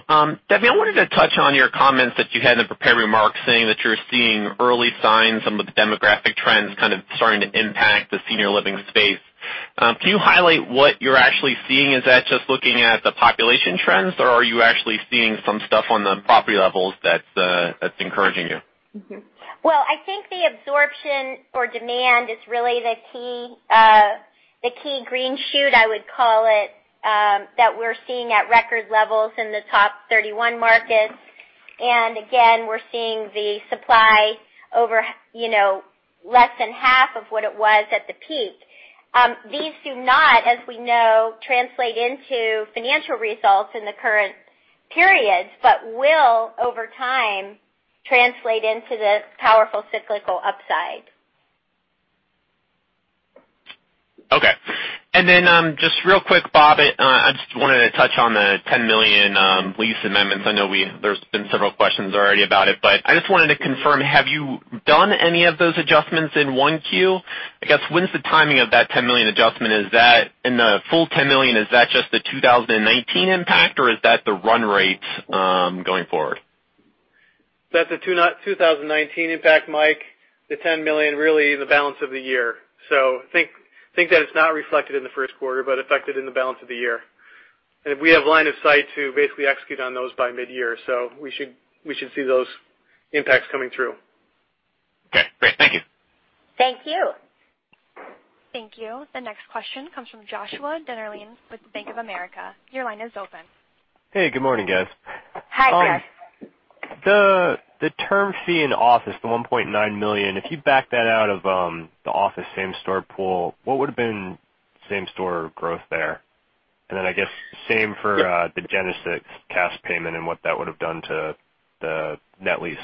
Speaker 10: Debbie, I wanted to touch on your comments that you had in the prepared remarks saying that you're seeing early signs, some of the demographic trends kind of starting to impact the senior living space. Can you highlight what you're actually seeing? Is that just looking at the population trends, or are you actually seeing some stuff on the property levels that's encouraging you?
Speaker 3: Well, I think the absorption or demand is really the key, the key green shoot, I would call it, that we're seeing at record levels in the top 31 markets. Again, we're seeing the supply over, you know, less than half of what it was at the peak. These do not, as we know, translate into financial results in the current periods, but will over time translate into the powerful cyclical upside.
Speaker 10: Okay. Just real quick, Bob, I just wanted to touch on the $10 million lease amendments. There's been several questions already about it, but I just wanted to confirm, have you done any of those adjustments in 1Q? I guess, when's the timing of that $10 million adjustment? Is that in the full $10 million, is that just the 2019 impact, or is that the run rate, going forward?
Speaker 4: That's a 2019 impact, Mike. The $10 million really the balance of the year. Think that it's not reflected in the 1st quarter, but reflected in the balance of the year. We have line of sight to basically execute on those by mid-year, we should see those impacts coming through.
Speaker 10: Okay, great. Thank you.
Speaker 3: Thank you.
Speaker 1: Thank you. The next question comes from Joshua Dennerlein with Bank of America. Your line is open.
Speaker 11: Hey, good morning, guys.
Speaker 3: Hi, Josh.
Speaker 11: The term fee in office, the $1.9 million, if you back that out of the office same store pool, what would have been same store growth there? I guess same for the Genesis cash payment and what that would have done to the net lease.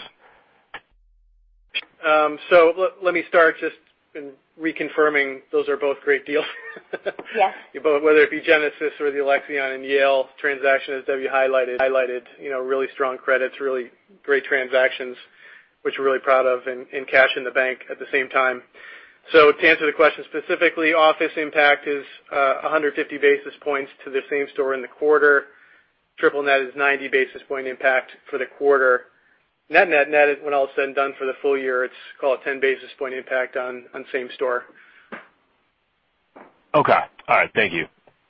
Speaker 4: Let me start just in reconfirming those are both great deals.
Speaker 3: Yes.
Speaker 4: Whether it be Genesis or the Alexion and Yale transaction, as Debbie highlighted, you know, really strong credits, really great transactions, which we're really proud of and cash in the bank at the same time. To answer the question specifically, office impact is 150 basis points to the same store in the quarter. Triple net is 90 basis point impact for the quarter. Net net net is when all is said and done for the full year, it's call it 10 basis point impact on same store.
Speaker 11: Okay. All right. Thank you.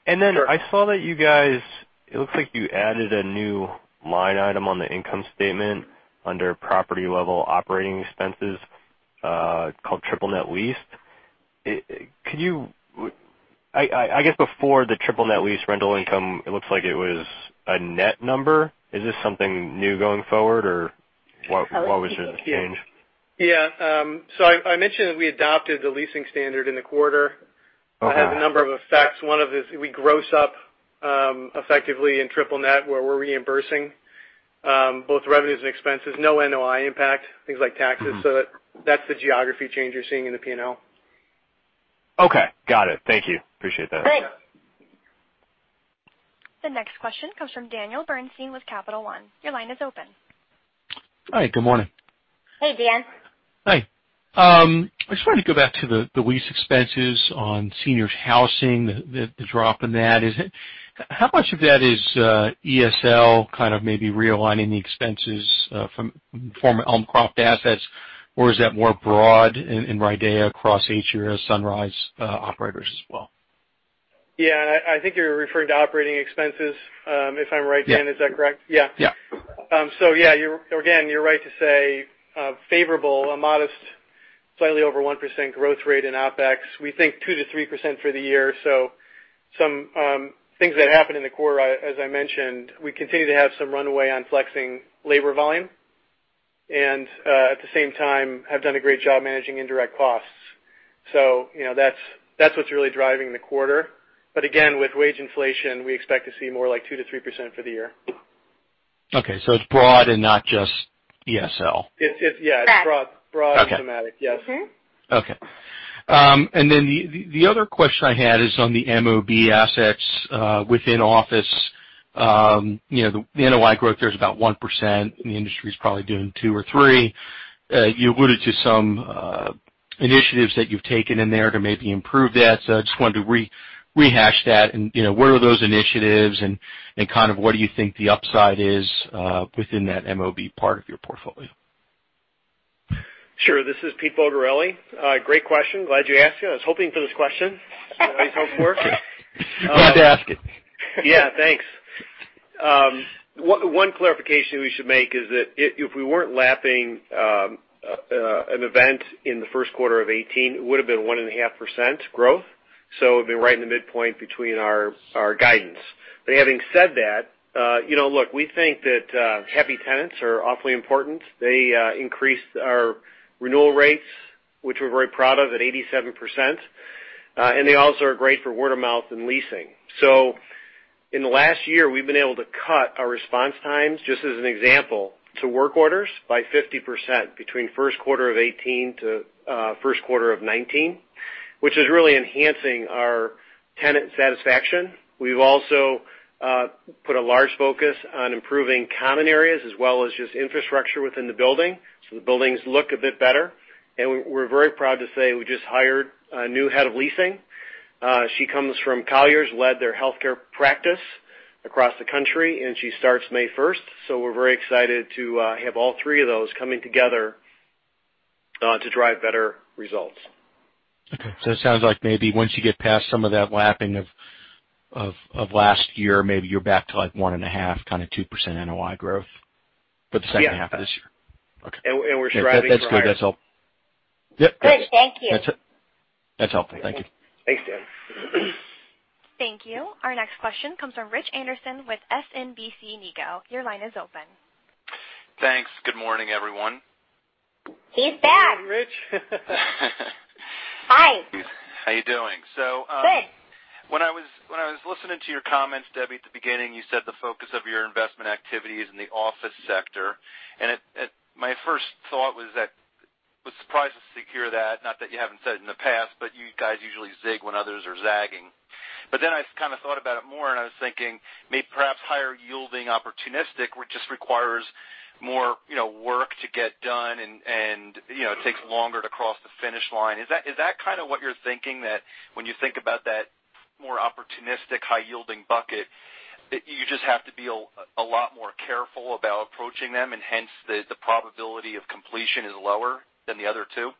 Speaker 4: Sure.
Speaker 11: I saw that you guys, it looks like you added a new line item on the income statement under property level operating expenses, called triple net lease. Could you, I guess before the triple net lease rental income, it looks like it was a net number. Is this something new going forward, or what was the change?
Speaker 4: I'll let Pete take it. Yeah. I mentioned that we adopted the leasing standard in the quarter. It has a number of effects. One of is we gross up, effectively in triple net, where we're reimbursing, both revenues and expenses, no NOI impact, things like taxes. That's the geography change you're seeing in the P&L.
Speaker 11: Okay. Got it. Thank you. Appreciate that.
Speaker 3: Great.
Speaker 1: The next question comes from Daniel Bernstein with Capital One. Your line is open.
Speaker 12: Hi, good morning.
Speaker 3: Hey, Daniel.
Speaker 12: Hi. I just wanted to go back to the lease expenses on senior housing, the drop in that. How much of that is ESL kind of maybe realigning the expenses from former Elmcroft Assets, or is that more broad in RIDEA across Atria, Sunrise, operators as well?
Speaker 4: Yeah. I think you're referring to operating expenses, if I'm right, Dan, is that correct?
Speaker 12: Yeah.
Speaker 4: Yeah.
Speaker 12: Yeah.
Speaker 4: Yeah, you're, again, you're right to say, favorable, a modest slightly over 1% growth rate in OpEx. We think 2%-3% for the year. Things that happened in the quarter, as I mentioned, we continue to have some runway on flexing labor volume and, at the same time, have done a great job managing indirect costs. You know, that's what's really driving the quarter. Again, with wage inflation, we expect to see more like 2%-3% for the year.
Speaker 12: Okay. It's broad and not just ESL.
Speaker 4: It's.
Speaker 3: That
Speaker 4: It's broad thematic.
Speaker 12: Okay.
Speaker 4: Yes.
Speaker 12: Okay. The other question I had is on the MOB assets within office. The NOI growth there is about 1%, and the industry is probably doing 2% or 3%. You alluded to some initiatives that you've taken in there to maybe improve that. I just wanted to rehash that and what are those initiatives and kind of what do you think the upside is within that MOB part of your portfolio?
Speaker 13: Sure. This is Peter Bulgarelli. Great question. Glad you asked it. I was hoping for this question. You know how it works.
Speaker 12: Glad to ask it.
Speaker 13: Yeah, thanks. One clarification we should make is that if we weren't lapping, an event in the first quarter of 2018, it would have been 1.5% growth. It'd be right in the midpoint between our guidance. Having said that, you know, look, we think that happy tenants are awfully important. They increase our renewal rates, which we're very proud of at 87%. They also are great for word-of-mouth and leasing. In the last year, we've been able to cut our response times, just as an example, to work orders by 50% between first quarter of '18 to first quarter of '19, which is really enhancing our tenant satisfaction. We've also put a large focus on improving common areas as well as just infrastructure within the building, the buildings look a bit better. We're very proud to say we just hired a new head of leasing. She comes from Colliers, led their healthcare practice across the country, she starts May first. We're very excited to have all three of those coming together to drive better results.
Speaker 12: It sounds like maybe once you get past some of that lapping of last year, maybe you're back to, like, 1.5, kinda 2% NOI growth for the second half of this year.
Speaker 13: Yeah.
Speaker 12: Okay.
Speaker 13: And we-
Speaker 12: That's good.
Speaker 13: We're striving for higher.
Speaker 12: Yep.
Speaker 3: Good. Thank you.
Speaker 12: That's helpful. Thank you.
Speaker 13: Thanks, Dan.
Speaker 1: Thank you. Our next question comes from Richard Anderson with SMBC Nikko. Your line is open.
Speaker 14: Thanks. Good morning, everyone.
Speaker 3: He's back.
Speaker 13: Good morning, Rich.
Speaker 3: Hi.
Speaker 14: How you doing?
Speaker 3: Good
Speaker 14: When I was listening to your comments, Debbie, at the beginning, you said the focus of your investment activity is in the office sector. My first thought was that I was surprised to hear that, not that you haven't said it in the past, but you guys usually zig when others are zagging. I kind of thought about it more, and I was thinking maybe perhaps higher yielding opportunistic, which just requires more, you know, work to get done and, you know, takes longer to cross the finish line. Is that kind of what you're thinking that when you think about that more opportunistic, high yielding bucket, that you just have to be a lot more careful about approaching them, and hence the probability of completion is lower than the other two?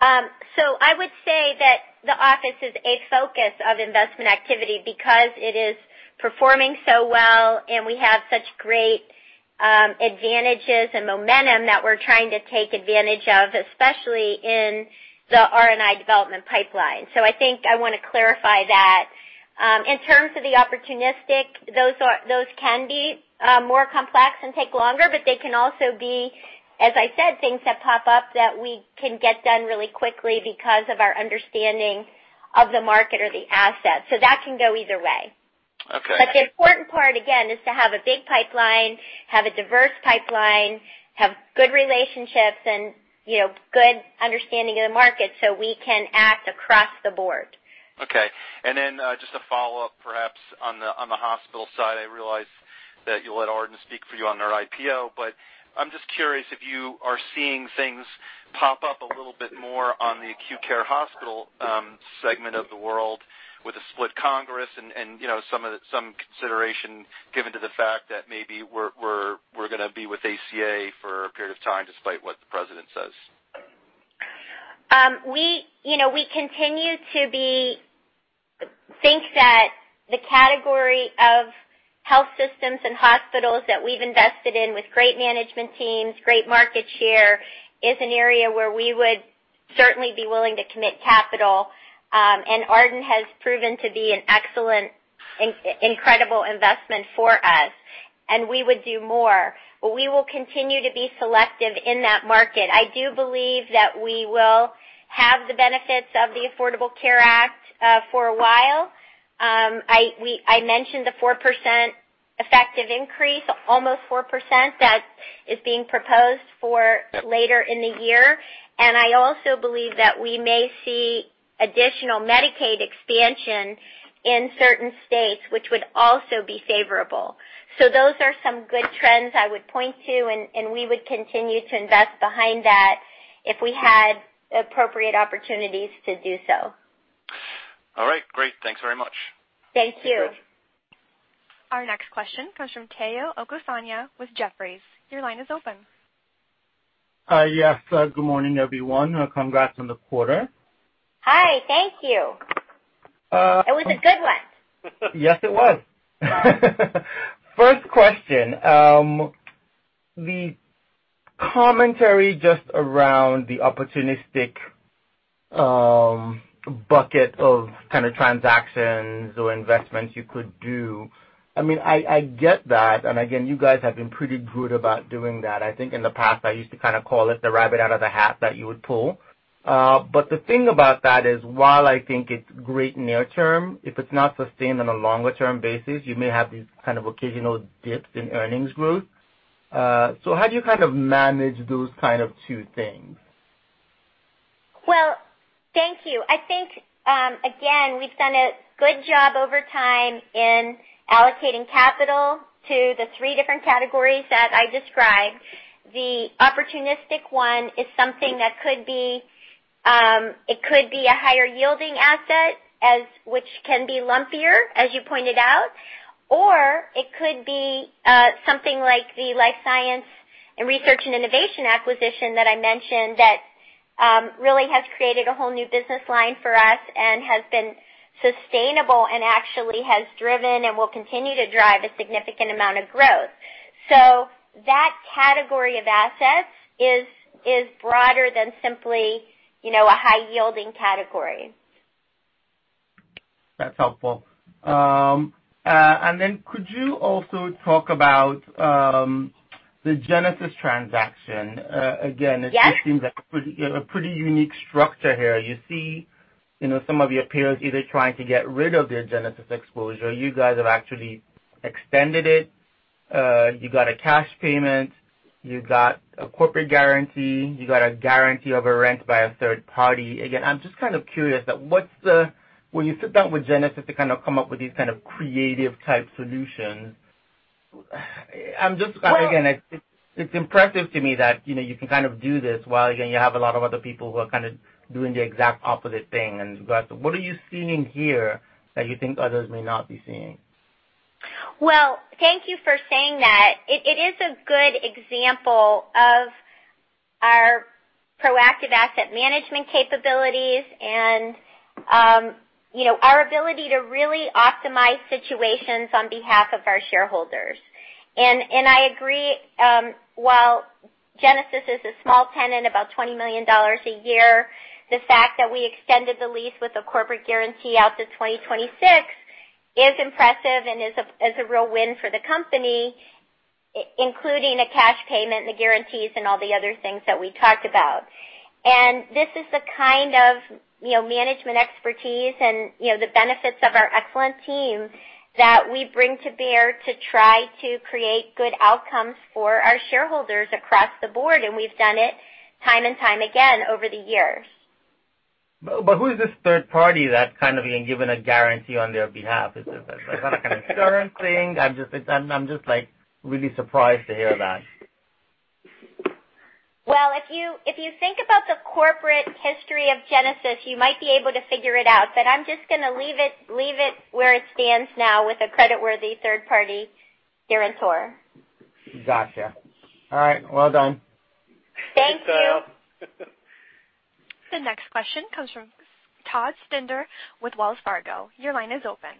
Speaker 3: I would say that the office is a focus of investment activity because it is performing so well, and we have such great advantages and momentum that we're trying to take advantage of, especially in the R&I development pipeline. I think I wanna clarify that. In terms of the opportunistic, those can be more complex and take longer, but they can also be, as I said, things that pop up that we can get done really quickly because of our understanding of the market or the asset. That can go either way.
Speaker 14: Okay.
Speaker 3: The important part, again, is to have a big pipeline, have a diverse pipeline, have good relationships, and, you know, good understanding of the market so we can act across the board.
Speaker 14: Okay. Just a follow-up, perhaps on the hospital side, I realize that you'll let Ardent speak for you on their IPO, I'm just curious if you are seeing things pop up a little bit more on the acute care hospital segment of the world with a split Congress and, you know, some of the, some consideration given to the fact that maybe we're gonna be with ACA for a period of time, despite what the president says.
Speaker 3: We, you know, we continue to think that the category of health systems and hospitals that we've invested in with great management teams, great market share, is an area where we would certainly be willing to commit capital. Ardent has proven to be an excellent, incredible investment for us, and we would do more, but we will continue to be selective in that market. I do believe that we will have the benefits of the Affordable Care Act for a while. I mentioned the 4% effective increase, almost 4%, that is being proposed for later in the year. I also believe that we may see additional Medicaid expansion in certain states, which would also be favorable. Those are some good trends I would point to, and we would continue to invest behind that if we had appropriate opportunities to do so.
Speaker 14: All right, great. Thanks very much.
Speaker 3: Thank you.
Speaker 1: Our next question comes from Tayo Okusanya with Jefferies. Your line is open.
Speaker 15: Yes, good morning, everyone. Congrats on the quarter.
Speaker 3: Hi, thank you.
Speaker 15: Uh-
Speaker 3: It was a good one.
Speaker 15: Yes, it was. First question, the commentary just around the opportunistic bucket of kinda transactions or investments you could do. I mean, I get that, and again, you guys have been pretty good about doing that. I think in the past, I used to kinda call it the rabbit out of the hat that you would pull. The thing about that is, while I think it's great near term, if it's not sustained on a longer term basis, you may have these kind of occasional dips in earnings growth. How do you kind of manage those kind of two things?
Speaker 3: Well, thank you. I think, again, we've done a good job over time in allocating capital to the three different categories that I described. The opportunistic one is something that could be, it could be a higher yielding asset, as which can be lumpier, as you pointed out. It could be something like the life science and research and innovation acquisition that I mentioned that really has created a whole new business line for us and has been sustainable and actually has driven and will continue to drive a significant amount of growth. That category of assets is broader than simply, you know, a high-yielding category.
Speaker 15: That's helpful. Could you also talk about the Genesis transaction?
Speaker 3: Yes.
Speaker 15: It just seems like a pretty unique structure here. You see, you know, some of your peers either trying to get rid of their Genesis exposure. You guys have actually extended it. You got a cash payment. You got a corporate guarantee. You got a guarantee of a rent by a third party. Again, I'm just kind of curious about what's the when you sit down with Genesis to kind of come up with these kind of creative type solutions. Well- Again, it's impressive to me that, you know, you can kind of do this while, again, you have a lot of other people who are kind of doing the exact opposite thing. But what are you seeing here that you think others may not be seeing?
Speaker 3: Well, thank you for saying that. It is a good example of our proactive asset management capabilities and, you know, our ability to really optimize situations on behalf of our shareholders. I agree, while Genesis is a small tenant, about $20 million a year, the fact that we extended the lease with a corporate guarantee out to 2026 is impressive and is a real win for the company, including a cash payment and the guarantees and all the other things that we talked about. This is the kind of, you know, management expertise and, you know, the benefits of our excellent team that we bring to bear to try to create good outcomes for our shareholders across the board, and we've done it time and time again over the years.
Speaker 15: Who is this third party that's kind of being given a guarantee on their behalf? Is it the kind of Stern thing? I'm just like really surprised to hear that.
Speaker 3: Well, if you think about the corporate history of Genesis, you might be able to figure it out. I'm just gonna leave it where it stands now with a creditworthy third party guarantor.
Speaker 15: Gotcha. All right. Well done.
Speaker 3: Thank you.
Speaker 15: Thanks, Deb.
Speaker 1: The next question comes from Todd Stender with Wells Fargo. Your line is open.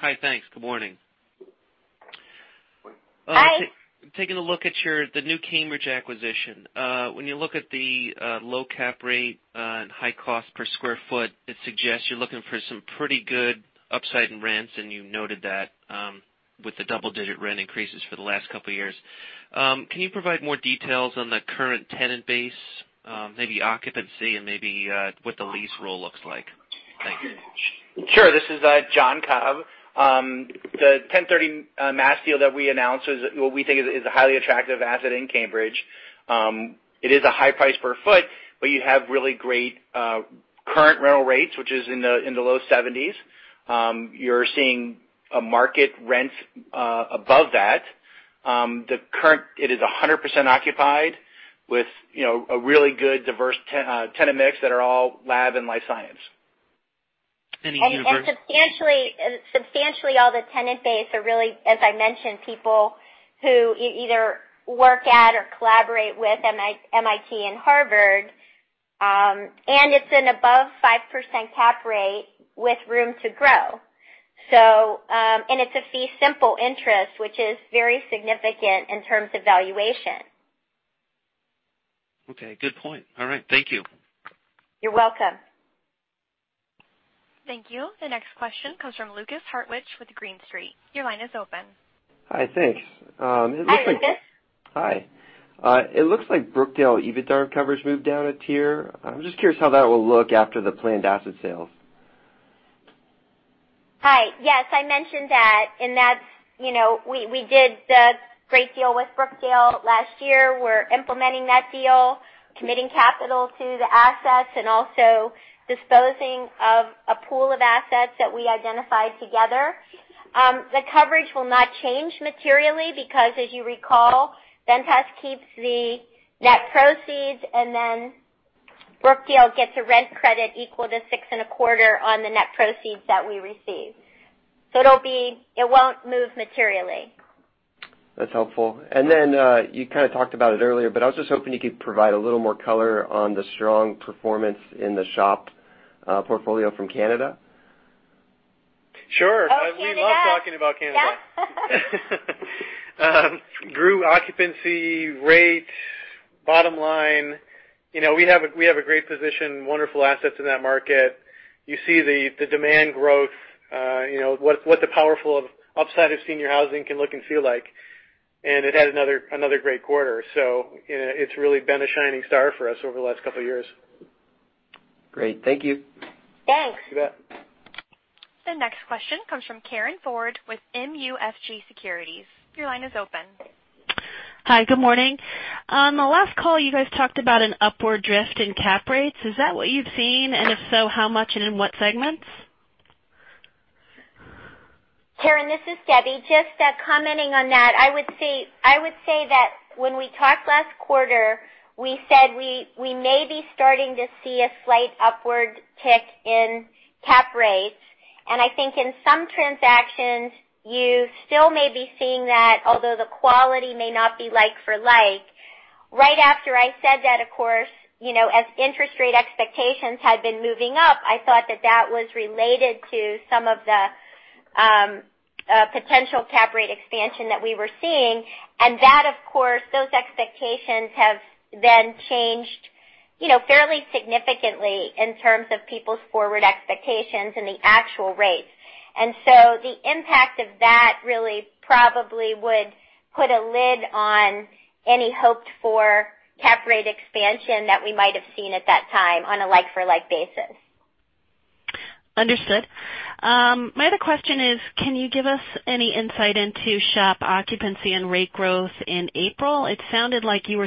Speaker 16: Hi. Thanks. Good morning.
Speaker 3: Hi.
Speaker 16: Taking a look at the new Cambridge acquisition. When you look at the low cap rate and high cost per square foot, it suggests you're looking for some pretty good upside in rents, and you noted that with the double-digit rent increases for the last couple years. Can you provide more details on the current tenant base, maybe occupancy and maybe what the lease roll looks like? Thank you.
Speaker 8: Sure. This is John Cobb. The 1030 Mass Ave deal that we announced is a highly attractive asset in Cambridge. It is a high price per foot, but you have really great current rental rates, which is in the low 70s. You're seeing a market rent above that. It is 100% occupied with, you know, a really good diverse tenant mix that are all lab and life science.
Speaker 16: Any university.
Speaker 3: Substantially all the tenant base are really, as I mentioned, people who either work at or collaborate with MIT and Harvard. It's an above 5% cap rate with room to grow. It's a fee simple interest, which is very significant in terms of valuation.
Speaker 16: Okay. Good point. All right. Thank you.
Speaker 3: You're welcome.
Speaker 1: Thank you. The next question comes from Lukas Hartwich with Green Street. Your line is open.
Speaker 17: Hi. Thanks.
Speaker 3: Hi, Lukas.
Speaker 17: Hi. It looks like Brookdale EBITDA coverage moved down a tier. I'm just curious how that will look after the planned asset sales.
Speaker 3: Hi. Yes, I mentioned that. That's, you know, we did the great deal with Brookdale last year. We're implementing that deal, committing capital to the assets and also disposing of a pool of assets that we identified together. The coverage will not change materially because, as you recall, Ventas keeps the net proceeds. Brookdale gets a rent credit equal to six and a quarter on the net proceeds that we receive. It won't move materially.
Speaker 17: That's helpful. Then you kinda talked about it earlier, but I was just hoping you could provide a little more color on the strong performance in the SHOP portfolio from Canada.
Speaker 4: Sure.
Speaker 3: Oh, Canada.
Speaker 4: We love talking about Canada.
Speaker 3: Yeah.
Speaker 4: Grew occupancy rate, bottom line. You know, we have a great position, wonderful assets in that market. You see the demand growth, you know, what the powerful of upside of senior housing can look and feel like. And it had another great quarter. You know, it's really been a shining star for us over the last couple years.
Speaker 17: Great. Thank you.
Speaker 3: Thanks.
Speaker 4: You bet.
Speaker 1: The next question comes from Karin Ford with MUFG Securities. Your line is open.
Speaker 18: Hi. Good morning. On the last call, you guys talked about an upward drift in cap rates. Is that what you've seen? If so, how much and in what segments?
Speaker 3: Karin, this is Debra. Just commenting on that, I would say that when we talked last quarter, we said we may be starting to see a slight upward tick in cap rates. I think in some transactions, you still may be seeing that, although the quality may not be like for like. Right after I said that, of course, you know, as interest rate expectations had been moving up, I thought that that was related to some of the potential cap rate expansion that we were seeing. That, of course, those expectations have then changed, you know, fairly significantly in terms of people's forward expectations and the actual rates. The impact of that really probably would put a lid on any hoped-for cap rate expansion that we might have seen at that time on a like-for-like basis.
Speaker 18: Understood. My other question is, can you give us any insight into SHOP occupancy and rate growth in April? It sounded like you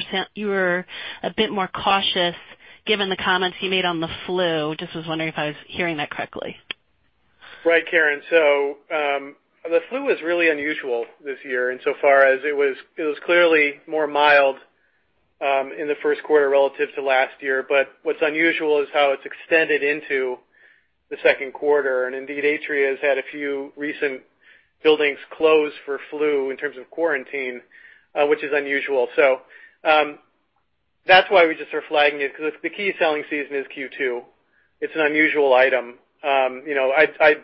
Speaker 18: were a bit more cautious given the comments you made on the flu. Just was wondering if I was hearing that correctly.
Speaker 4: Right, Karin. The flu is really unusual this year insofar as it was clearly more mild in the first quarter relative to last year. What's unusual is how it's extended into the second quarter. Indeed, Atria has had a few recent buildings closed for flu in terms of quarantine, which is unusual. That's why we just are flagging it, 'cause the key selling season is Q2. It's an unusual item. You know, I'd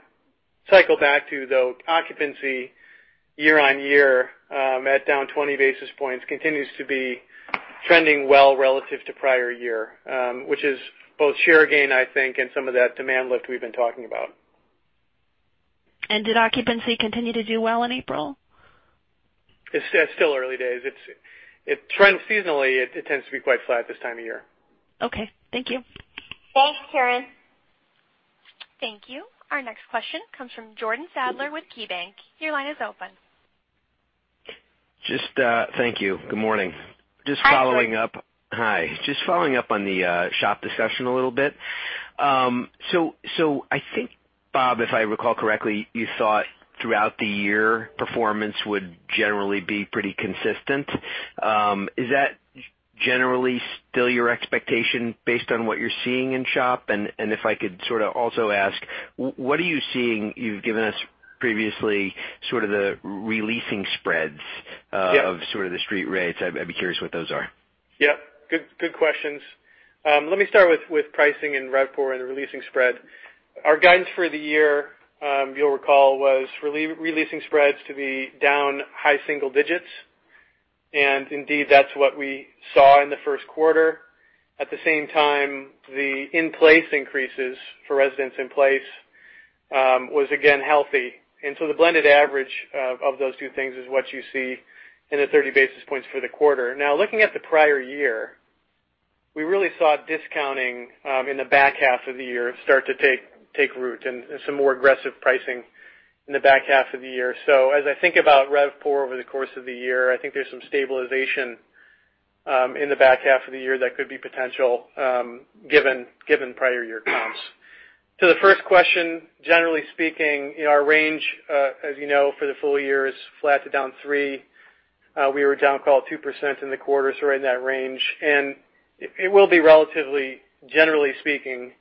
Speaker 4: cycle back to, though, occupancy year-on-year at down 20 basis points continues to be trending well relative to prior year, which is both share gain, I think, and some of that demand lift we've been talking about.
Speaker 18: Did occupancy continue to do well in April?
Speaker 4: It's still early days. It trends seasonally. It tends to be quite flat this time of year.
Speaker 18: Okay. Thank you.
Speaker 3: Thanks, Karin.
Speaker 1: Thank you. Our next question comes from Jordan Sadler with KeyBanc. Your line is open.
Speaker 19: Just, Thank you. Good morning.
Speaker 3: Hi, Jordan.
Speaker 19: Hi. Just following up on the SHOP discussion a little bit. I think, Bob, if I recall correctly, you thought throughout the year, performance would generally be pretty consistent. Is that generally still your expectation based on what you're seeing in SHOP? If I could sort of also ask, what are you seeing you've given us previously, sort of the releasing spreads?
Speaker 4: Yeah
Speaker 19: Of sort of the street rates? I'd be curious what those are.
Speaker 4: Yeah. Good, good questions. Let me start with pricing and RevPOR and releasing spread. Our guidance for the year, you'll recall, was releasing spreads to be down high single digits. Indeed, that's what we saw in the first quarter. At the same time, the in-place increases for residents in place, was again healthy. So the blended average of those two things is what you see in the 30 basis points for the quarter. Now, looking at the prior year, we really saw discounting in the back half of the year start to take root and some more aggressive pricing in the back half of the year. As I think about RevPOR over the course of the year, I think there's some stabilization in the back half of the year that could be potential given prior year comps. To the first question, generally speaking, you know, our range, as you know, for the full year is flat to down 3. We were down, call it, 2% in the quarter, so we're in that range. It will be relatively, generally speaking,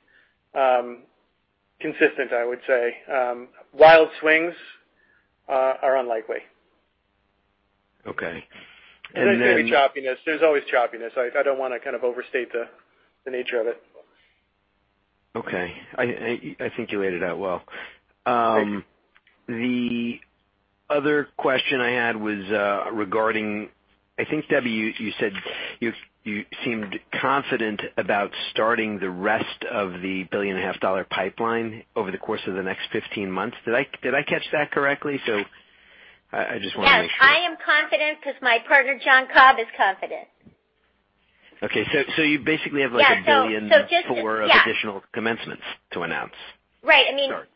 Speaker 4: consistent, I would say. Wild swings are unlikely.
Speaker 19: Okay.
Speaker 4: There's gonna be choppiness. There's always choppiness. I don't wanna kind of overstate the nature of it.
Speaker 19: Okay. I think you laid it out well.
Speaker 4: Thank you.
Speaker 19: The other question I had was regarding I think, Debbie, you said you seemed confident about starting the rest of the billion and a half dollar pipeline over the course of the next 15 months. Did I catch that correctly? I just wanna make sure.
Speaker 3: Yes. I am confident 'cause my partner, John Cobb, is confident.
Speaker 19: Okay. You basically have like a billion-
Speaker 3: Yeah. Just yeah.
Speaker 19: [For acquisitional] commencements to announce?
Speaker 3: Right. I mean.
Speaker 19: Sorry.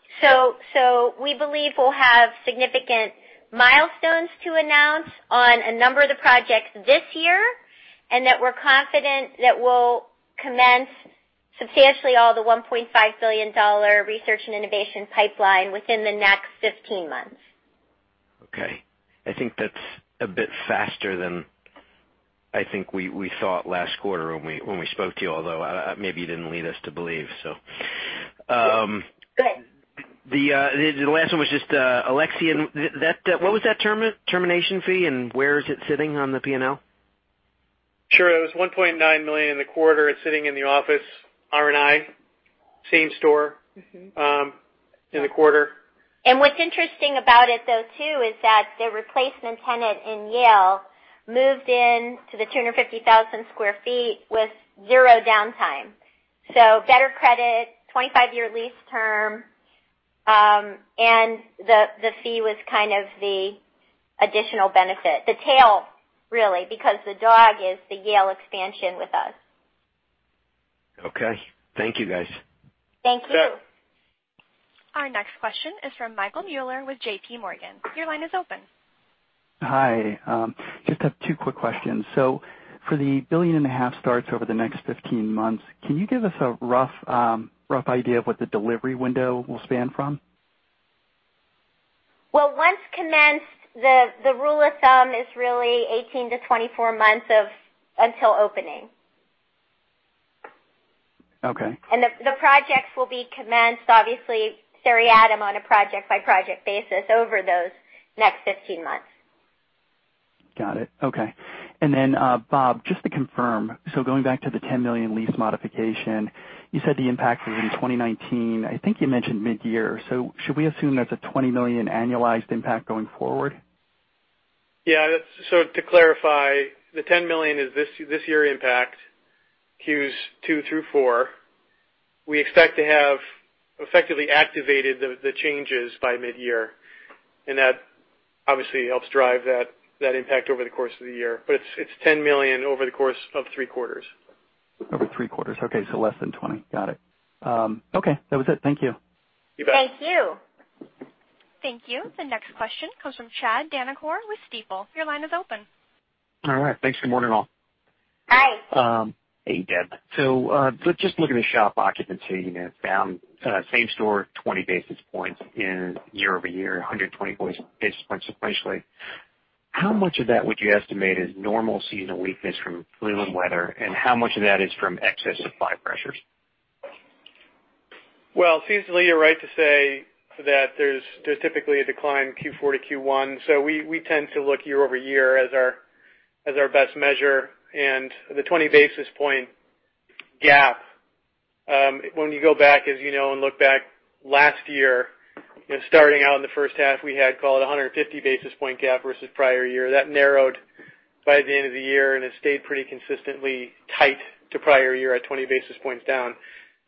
Speaker 3: We believe we'll have significant milestones to announce on a number of the projects this year, and that we're confident that we'll commence substantially all the $1.5 billion research and innovation pipeline within the next 15 months.
Speaker 19: Okay. I think that's a bit faster than I think we thought last quarter when we spoke to you, although maybe you didn't lead us to believe so.
Speaker 3: Good
Speaker 19: The last one was just Alexion. What was that termination fee, and where is it sitting on the P&L?
Speaker 4: Sure. It was $1.9 million in the quarter. It's sitting in the office, R&I, same store, in the quarter.
Speaker 3: What's interesting about it though, too, is that the replacement tenant in Yale moved in to the 250,000 sq ft with zero downtime. Better credit, 25-year lease term. The fee was kind of the additional benefit, the tail really, because the dog is the Yale expansion with us.
Speaker 19: Okay. Thank you, guys.
Speaker 3: Thank you.
Speaker 4: You bet.
Speaker 1: Our next question is from Michael Mueller with JPMorgan. Your line is open.
Speaker 20: Hi. Just have two quick questions. For the $1.5 billion starts over the next 15 months, can you give us a rough idea of what the delivery window will span from?
Speaker 3: Well, once commenced, the rule of thumb is really 18 to 24 months of until opening.
Speaker 20: Okay.
Speaker 3: The projects will be commenced, obviously, seriatim on a project by project basis over those next 15 months.
Speaker 20: Got it. Okay. Bob, just to confirm, going back to the $10 million lease modification, you said the impact was in 2019. I think you mentioned mid-year. Should we assume that's a $20 million annualized impact going forward?
Speaker 4: Yeah, that's to clarify, the $10 million is this year impact, Q2 through Q4. We expect to have effectively activated the changes by mid-year, that obviously helps drive that impact over the course of the year. It's $10 million over the course of three quarters.
Speaker 20: Over 3 quarters. Okay, less than 20. Got it. Okay, that was it. Thank you.
Speaker 4: You bet.
Speaker 3: Thank you.
Speaker 1: Thank you. The next question comes from Chad Vanacore with Stifel. Your line is open.
Speaker 21: All right. Thanks. Good morning, all.
Speaker 3: Hi.
Speaker 21: Hey, Deb. Let's just look at the SHOP occupancy, you know, down, same store, 20 basis points in year-over-year, 120 basis points sequentially. How much of that would you estimate is normal seasonal weakness from flu and weather and how much of that is from excess supply pressures?
Speaker 4: Well, seasonally you're right to say that there's typically a decline in Q4 to Q1. We tend to look year-over-year as our best measure. The 20 basis point gap, when you go back, as you know, and look back last year, you know, starting out in the first half, we had called a 150 basis point gap versus prior year. That narrowed by the end of the year, and it stayed pretty consistently tight to prior year at 20 basis points down.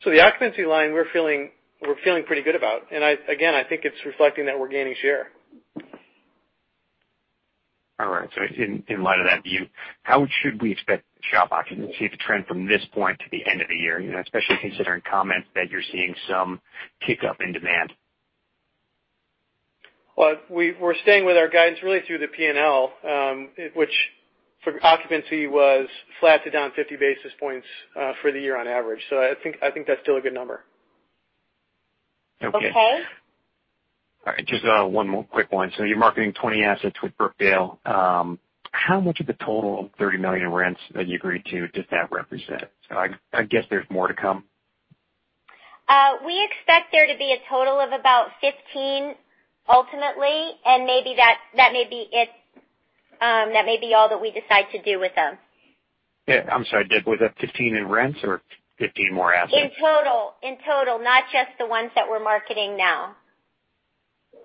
Speaker 4: The occupancy line we're feeling pretty good about. Again, I think it's reflecting that we're gaining share.
Speaker 21: All right. In light of that view, how should we expect SHOP occupancy to trend from this point to the end of the year, you know, especially considering comments that you're seeing some kickup in demand?
Speaker 4: Well, we're staying with our guidance really through the P&L, which for occupancy was flat to down 50 basis points for the year on average. I think that's still a good number.
Speaker 21: Okay.
Speaker 3: Okay.
Speaker 21: All right. Just one more quick one. You're marketing 20 assets with Brookdale. How much of the total of $30 million in rents that you agreed to does that represent? I guess there's more to come.
Speaker 3: We expect there to be a total of about 15 ultimately, maybe that may be it. That may be all that we decide to do with them.
Speaker 21: Yeah. I'm sorry, Deb, was that 15 in rents or 15 more assets?
Speaker 3: In total. In total, not just the ones that we're marketing now.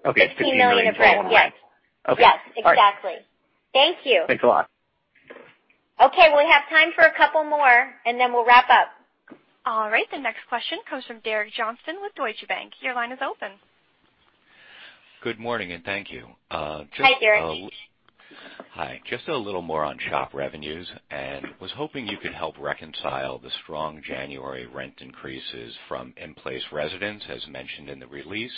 Speaker 21: Okay.
Speaker 3: $15 million in rents, yes.
Speaker 21: Okay.
Speaker 3: Yes, exactly. Thank you.
Speaker 21: Thanks a lot.
Speaker 3: Okay, we have time for a couple more, and then we'll wrap up.
Speaker 1: All right. The next question comes from Derek Johnston with Deutsche Bank. Your line is open.
Speaker 22: Good morning, and thank you.
Speaker 3: Hi, Derek.
Speaker 22: Hi. Just a little more on SHOP revenues, and was hoping you could help reconcile the strong January rent increases from in-place residents, as mentioned in the release,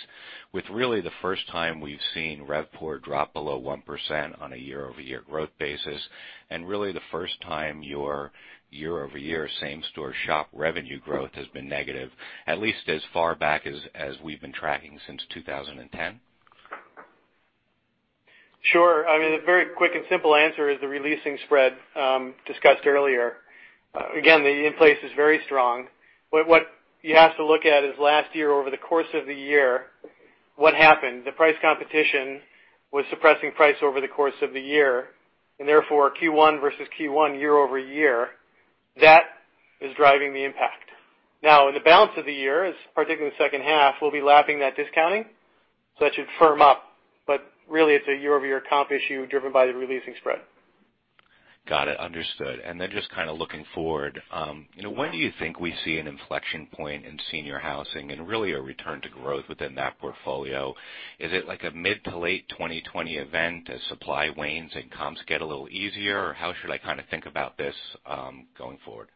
Speaker 22: with really the first time we've seen RevPOR drop below 1% on a year-over-year growth basis and really the first time your year-over-year same store SHOP revenue growth has been negative, at least as far back as we've been tracking since 2010.
Speaker 4: Sure. I mean, the very quick and simple answer is the releasing spread discussed earlier. Again, the in-place is very strong. What you have to look at is last year over the course of the year, what happened? The price competition was suppressing price over the course of the year, and therefore Q1 versus Q1 year-over-year, that is driving the impact. Now, in the balance of the year, as particularly the second half, we'll be lapping that discounting, so that should firm up. Really it's a year-over-year comp issue driven by the releasing spread.
Speaker 22: Got it. Understood. just kinda looking forward, you know, when do you think we see an inflection point in senior housing and really a return to growth within that portfolio? Is it like a mid to late 2020 event as supply wanes and comps get a little easier? how should I kinda think about this going forward?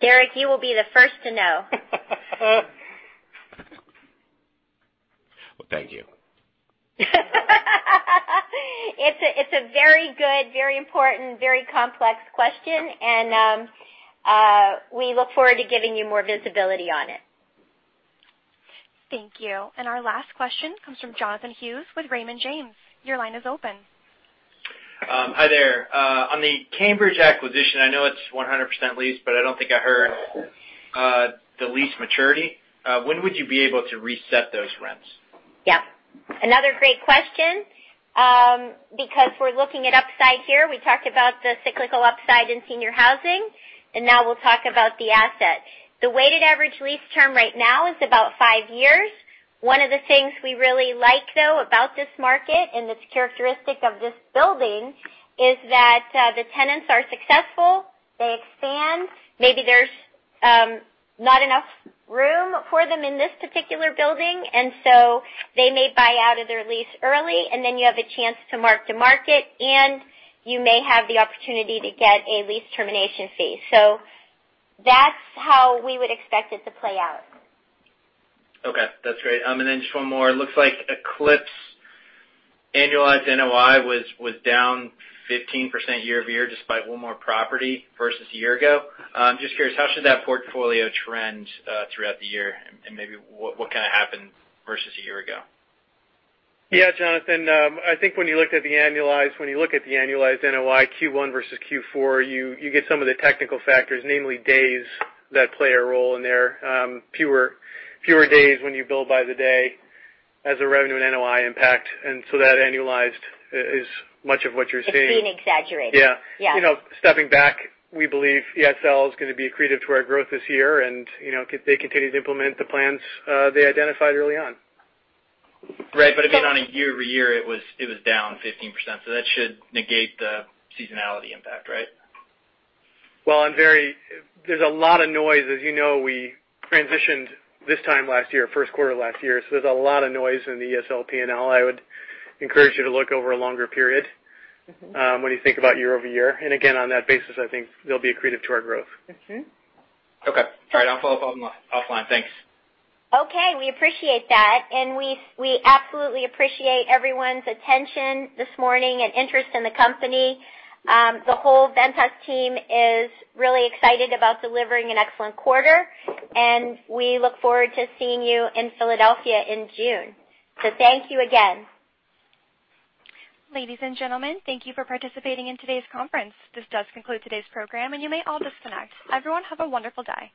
Speaker 3: Derek, you will be the first to know.
Speaker 22: Well, thank you.
Speaker 3: It's a very good, very important, very complex question and we look forward to giving you more visibility on it.
Speaker 1: Thank you. Our last question comes from Jonathan Hughes with Raymond James. Your line is open.
Speaker 23: Hi there. On the Cambridge acquisition, I know it's 100% leased, but I don't think I heard the lease maturity. When would you be able to reset those rents?
Speaker 3: Yeah. Another great question, because we're looking at upside here. We talked about the cyclical upside in senior housing, and now we'll talk about the asset. The weighted average lease term right now is about three years. One of the things we really like though about this market and it's characteristic of this building is that the tenants are successful. They expand. Maybe there's not enough room for them in this particular building, and so they may buy out of their lease early, and then you have a chance to mark to market, and you may have the opportunity to get a lease termination fee. That's how we would expect it to play out.
Speaker 23: Okay, that's great. Just one more. It looks like Eclipse annualized NOI was down 15% year-over-year despite one more property versus a year ago. Just curious, how should that portfolio trend throughout the year and maybe what kinda happened versus a year ago?
Speaker 4: Jonathan, I think when you look at the annualized NOI Q1 versus Q4, you get some of the technical factors, namely days that play a role in there. Fewer days when you bill by the day as a revenue and NOI impact, and so that annualized is much of what you're seeing.
Speaker 3: It's being exaggerated.
Speaker 4: Yeah.
Speaker 3: Yeah.
Speaker 4: You know, stepping back, we believe ESL is gonna be accretive to our growth this year and, you know, if they continue to implement the plans, they identified early on.
Speaker 23: Right. I mean, on a year-over-year, it was down 15%, so that should negate the seasonality impact, right?
Speaker 4: Well, there's a lot of noise. As you know, we transitioned this time last year, first quarter last year, so there's a lot of noise in the ESL P&L. I would encourage you to look over a longer period. When you think about year-over-year. Again, on that basis, I think they'll be accretive to our growth.
Speaker 23: Okay. All right, I'll follow up offline. Thanks.
Speaker 3: Okay, we appreciate that. We absolutely appreciate everyone's attention this morning and interest in the company. The whole Ventas team is really excited about delivering an excellent quarter. We look forward to seeing you in Philadelphia in June. Thank you again.
Speaker 1: Ladies and gentlemen, thank you for participating in today's conference. This does conclude today's program, and you may all disconnect. Everyone have a wonderful day.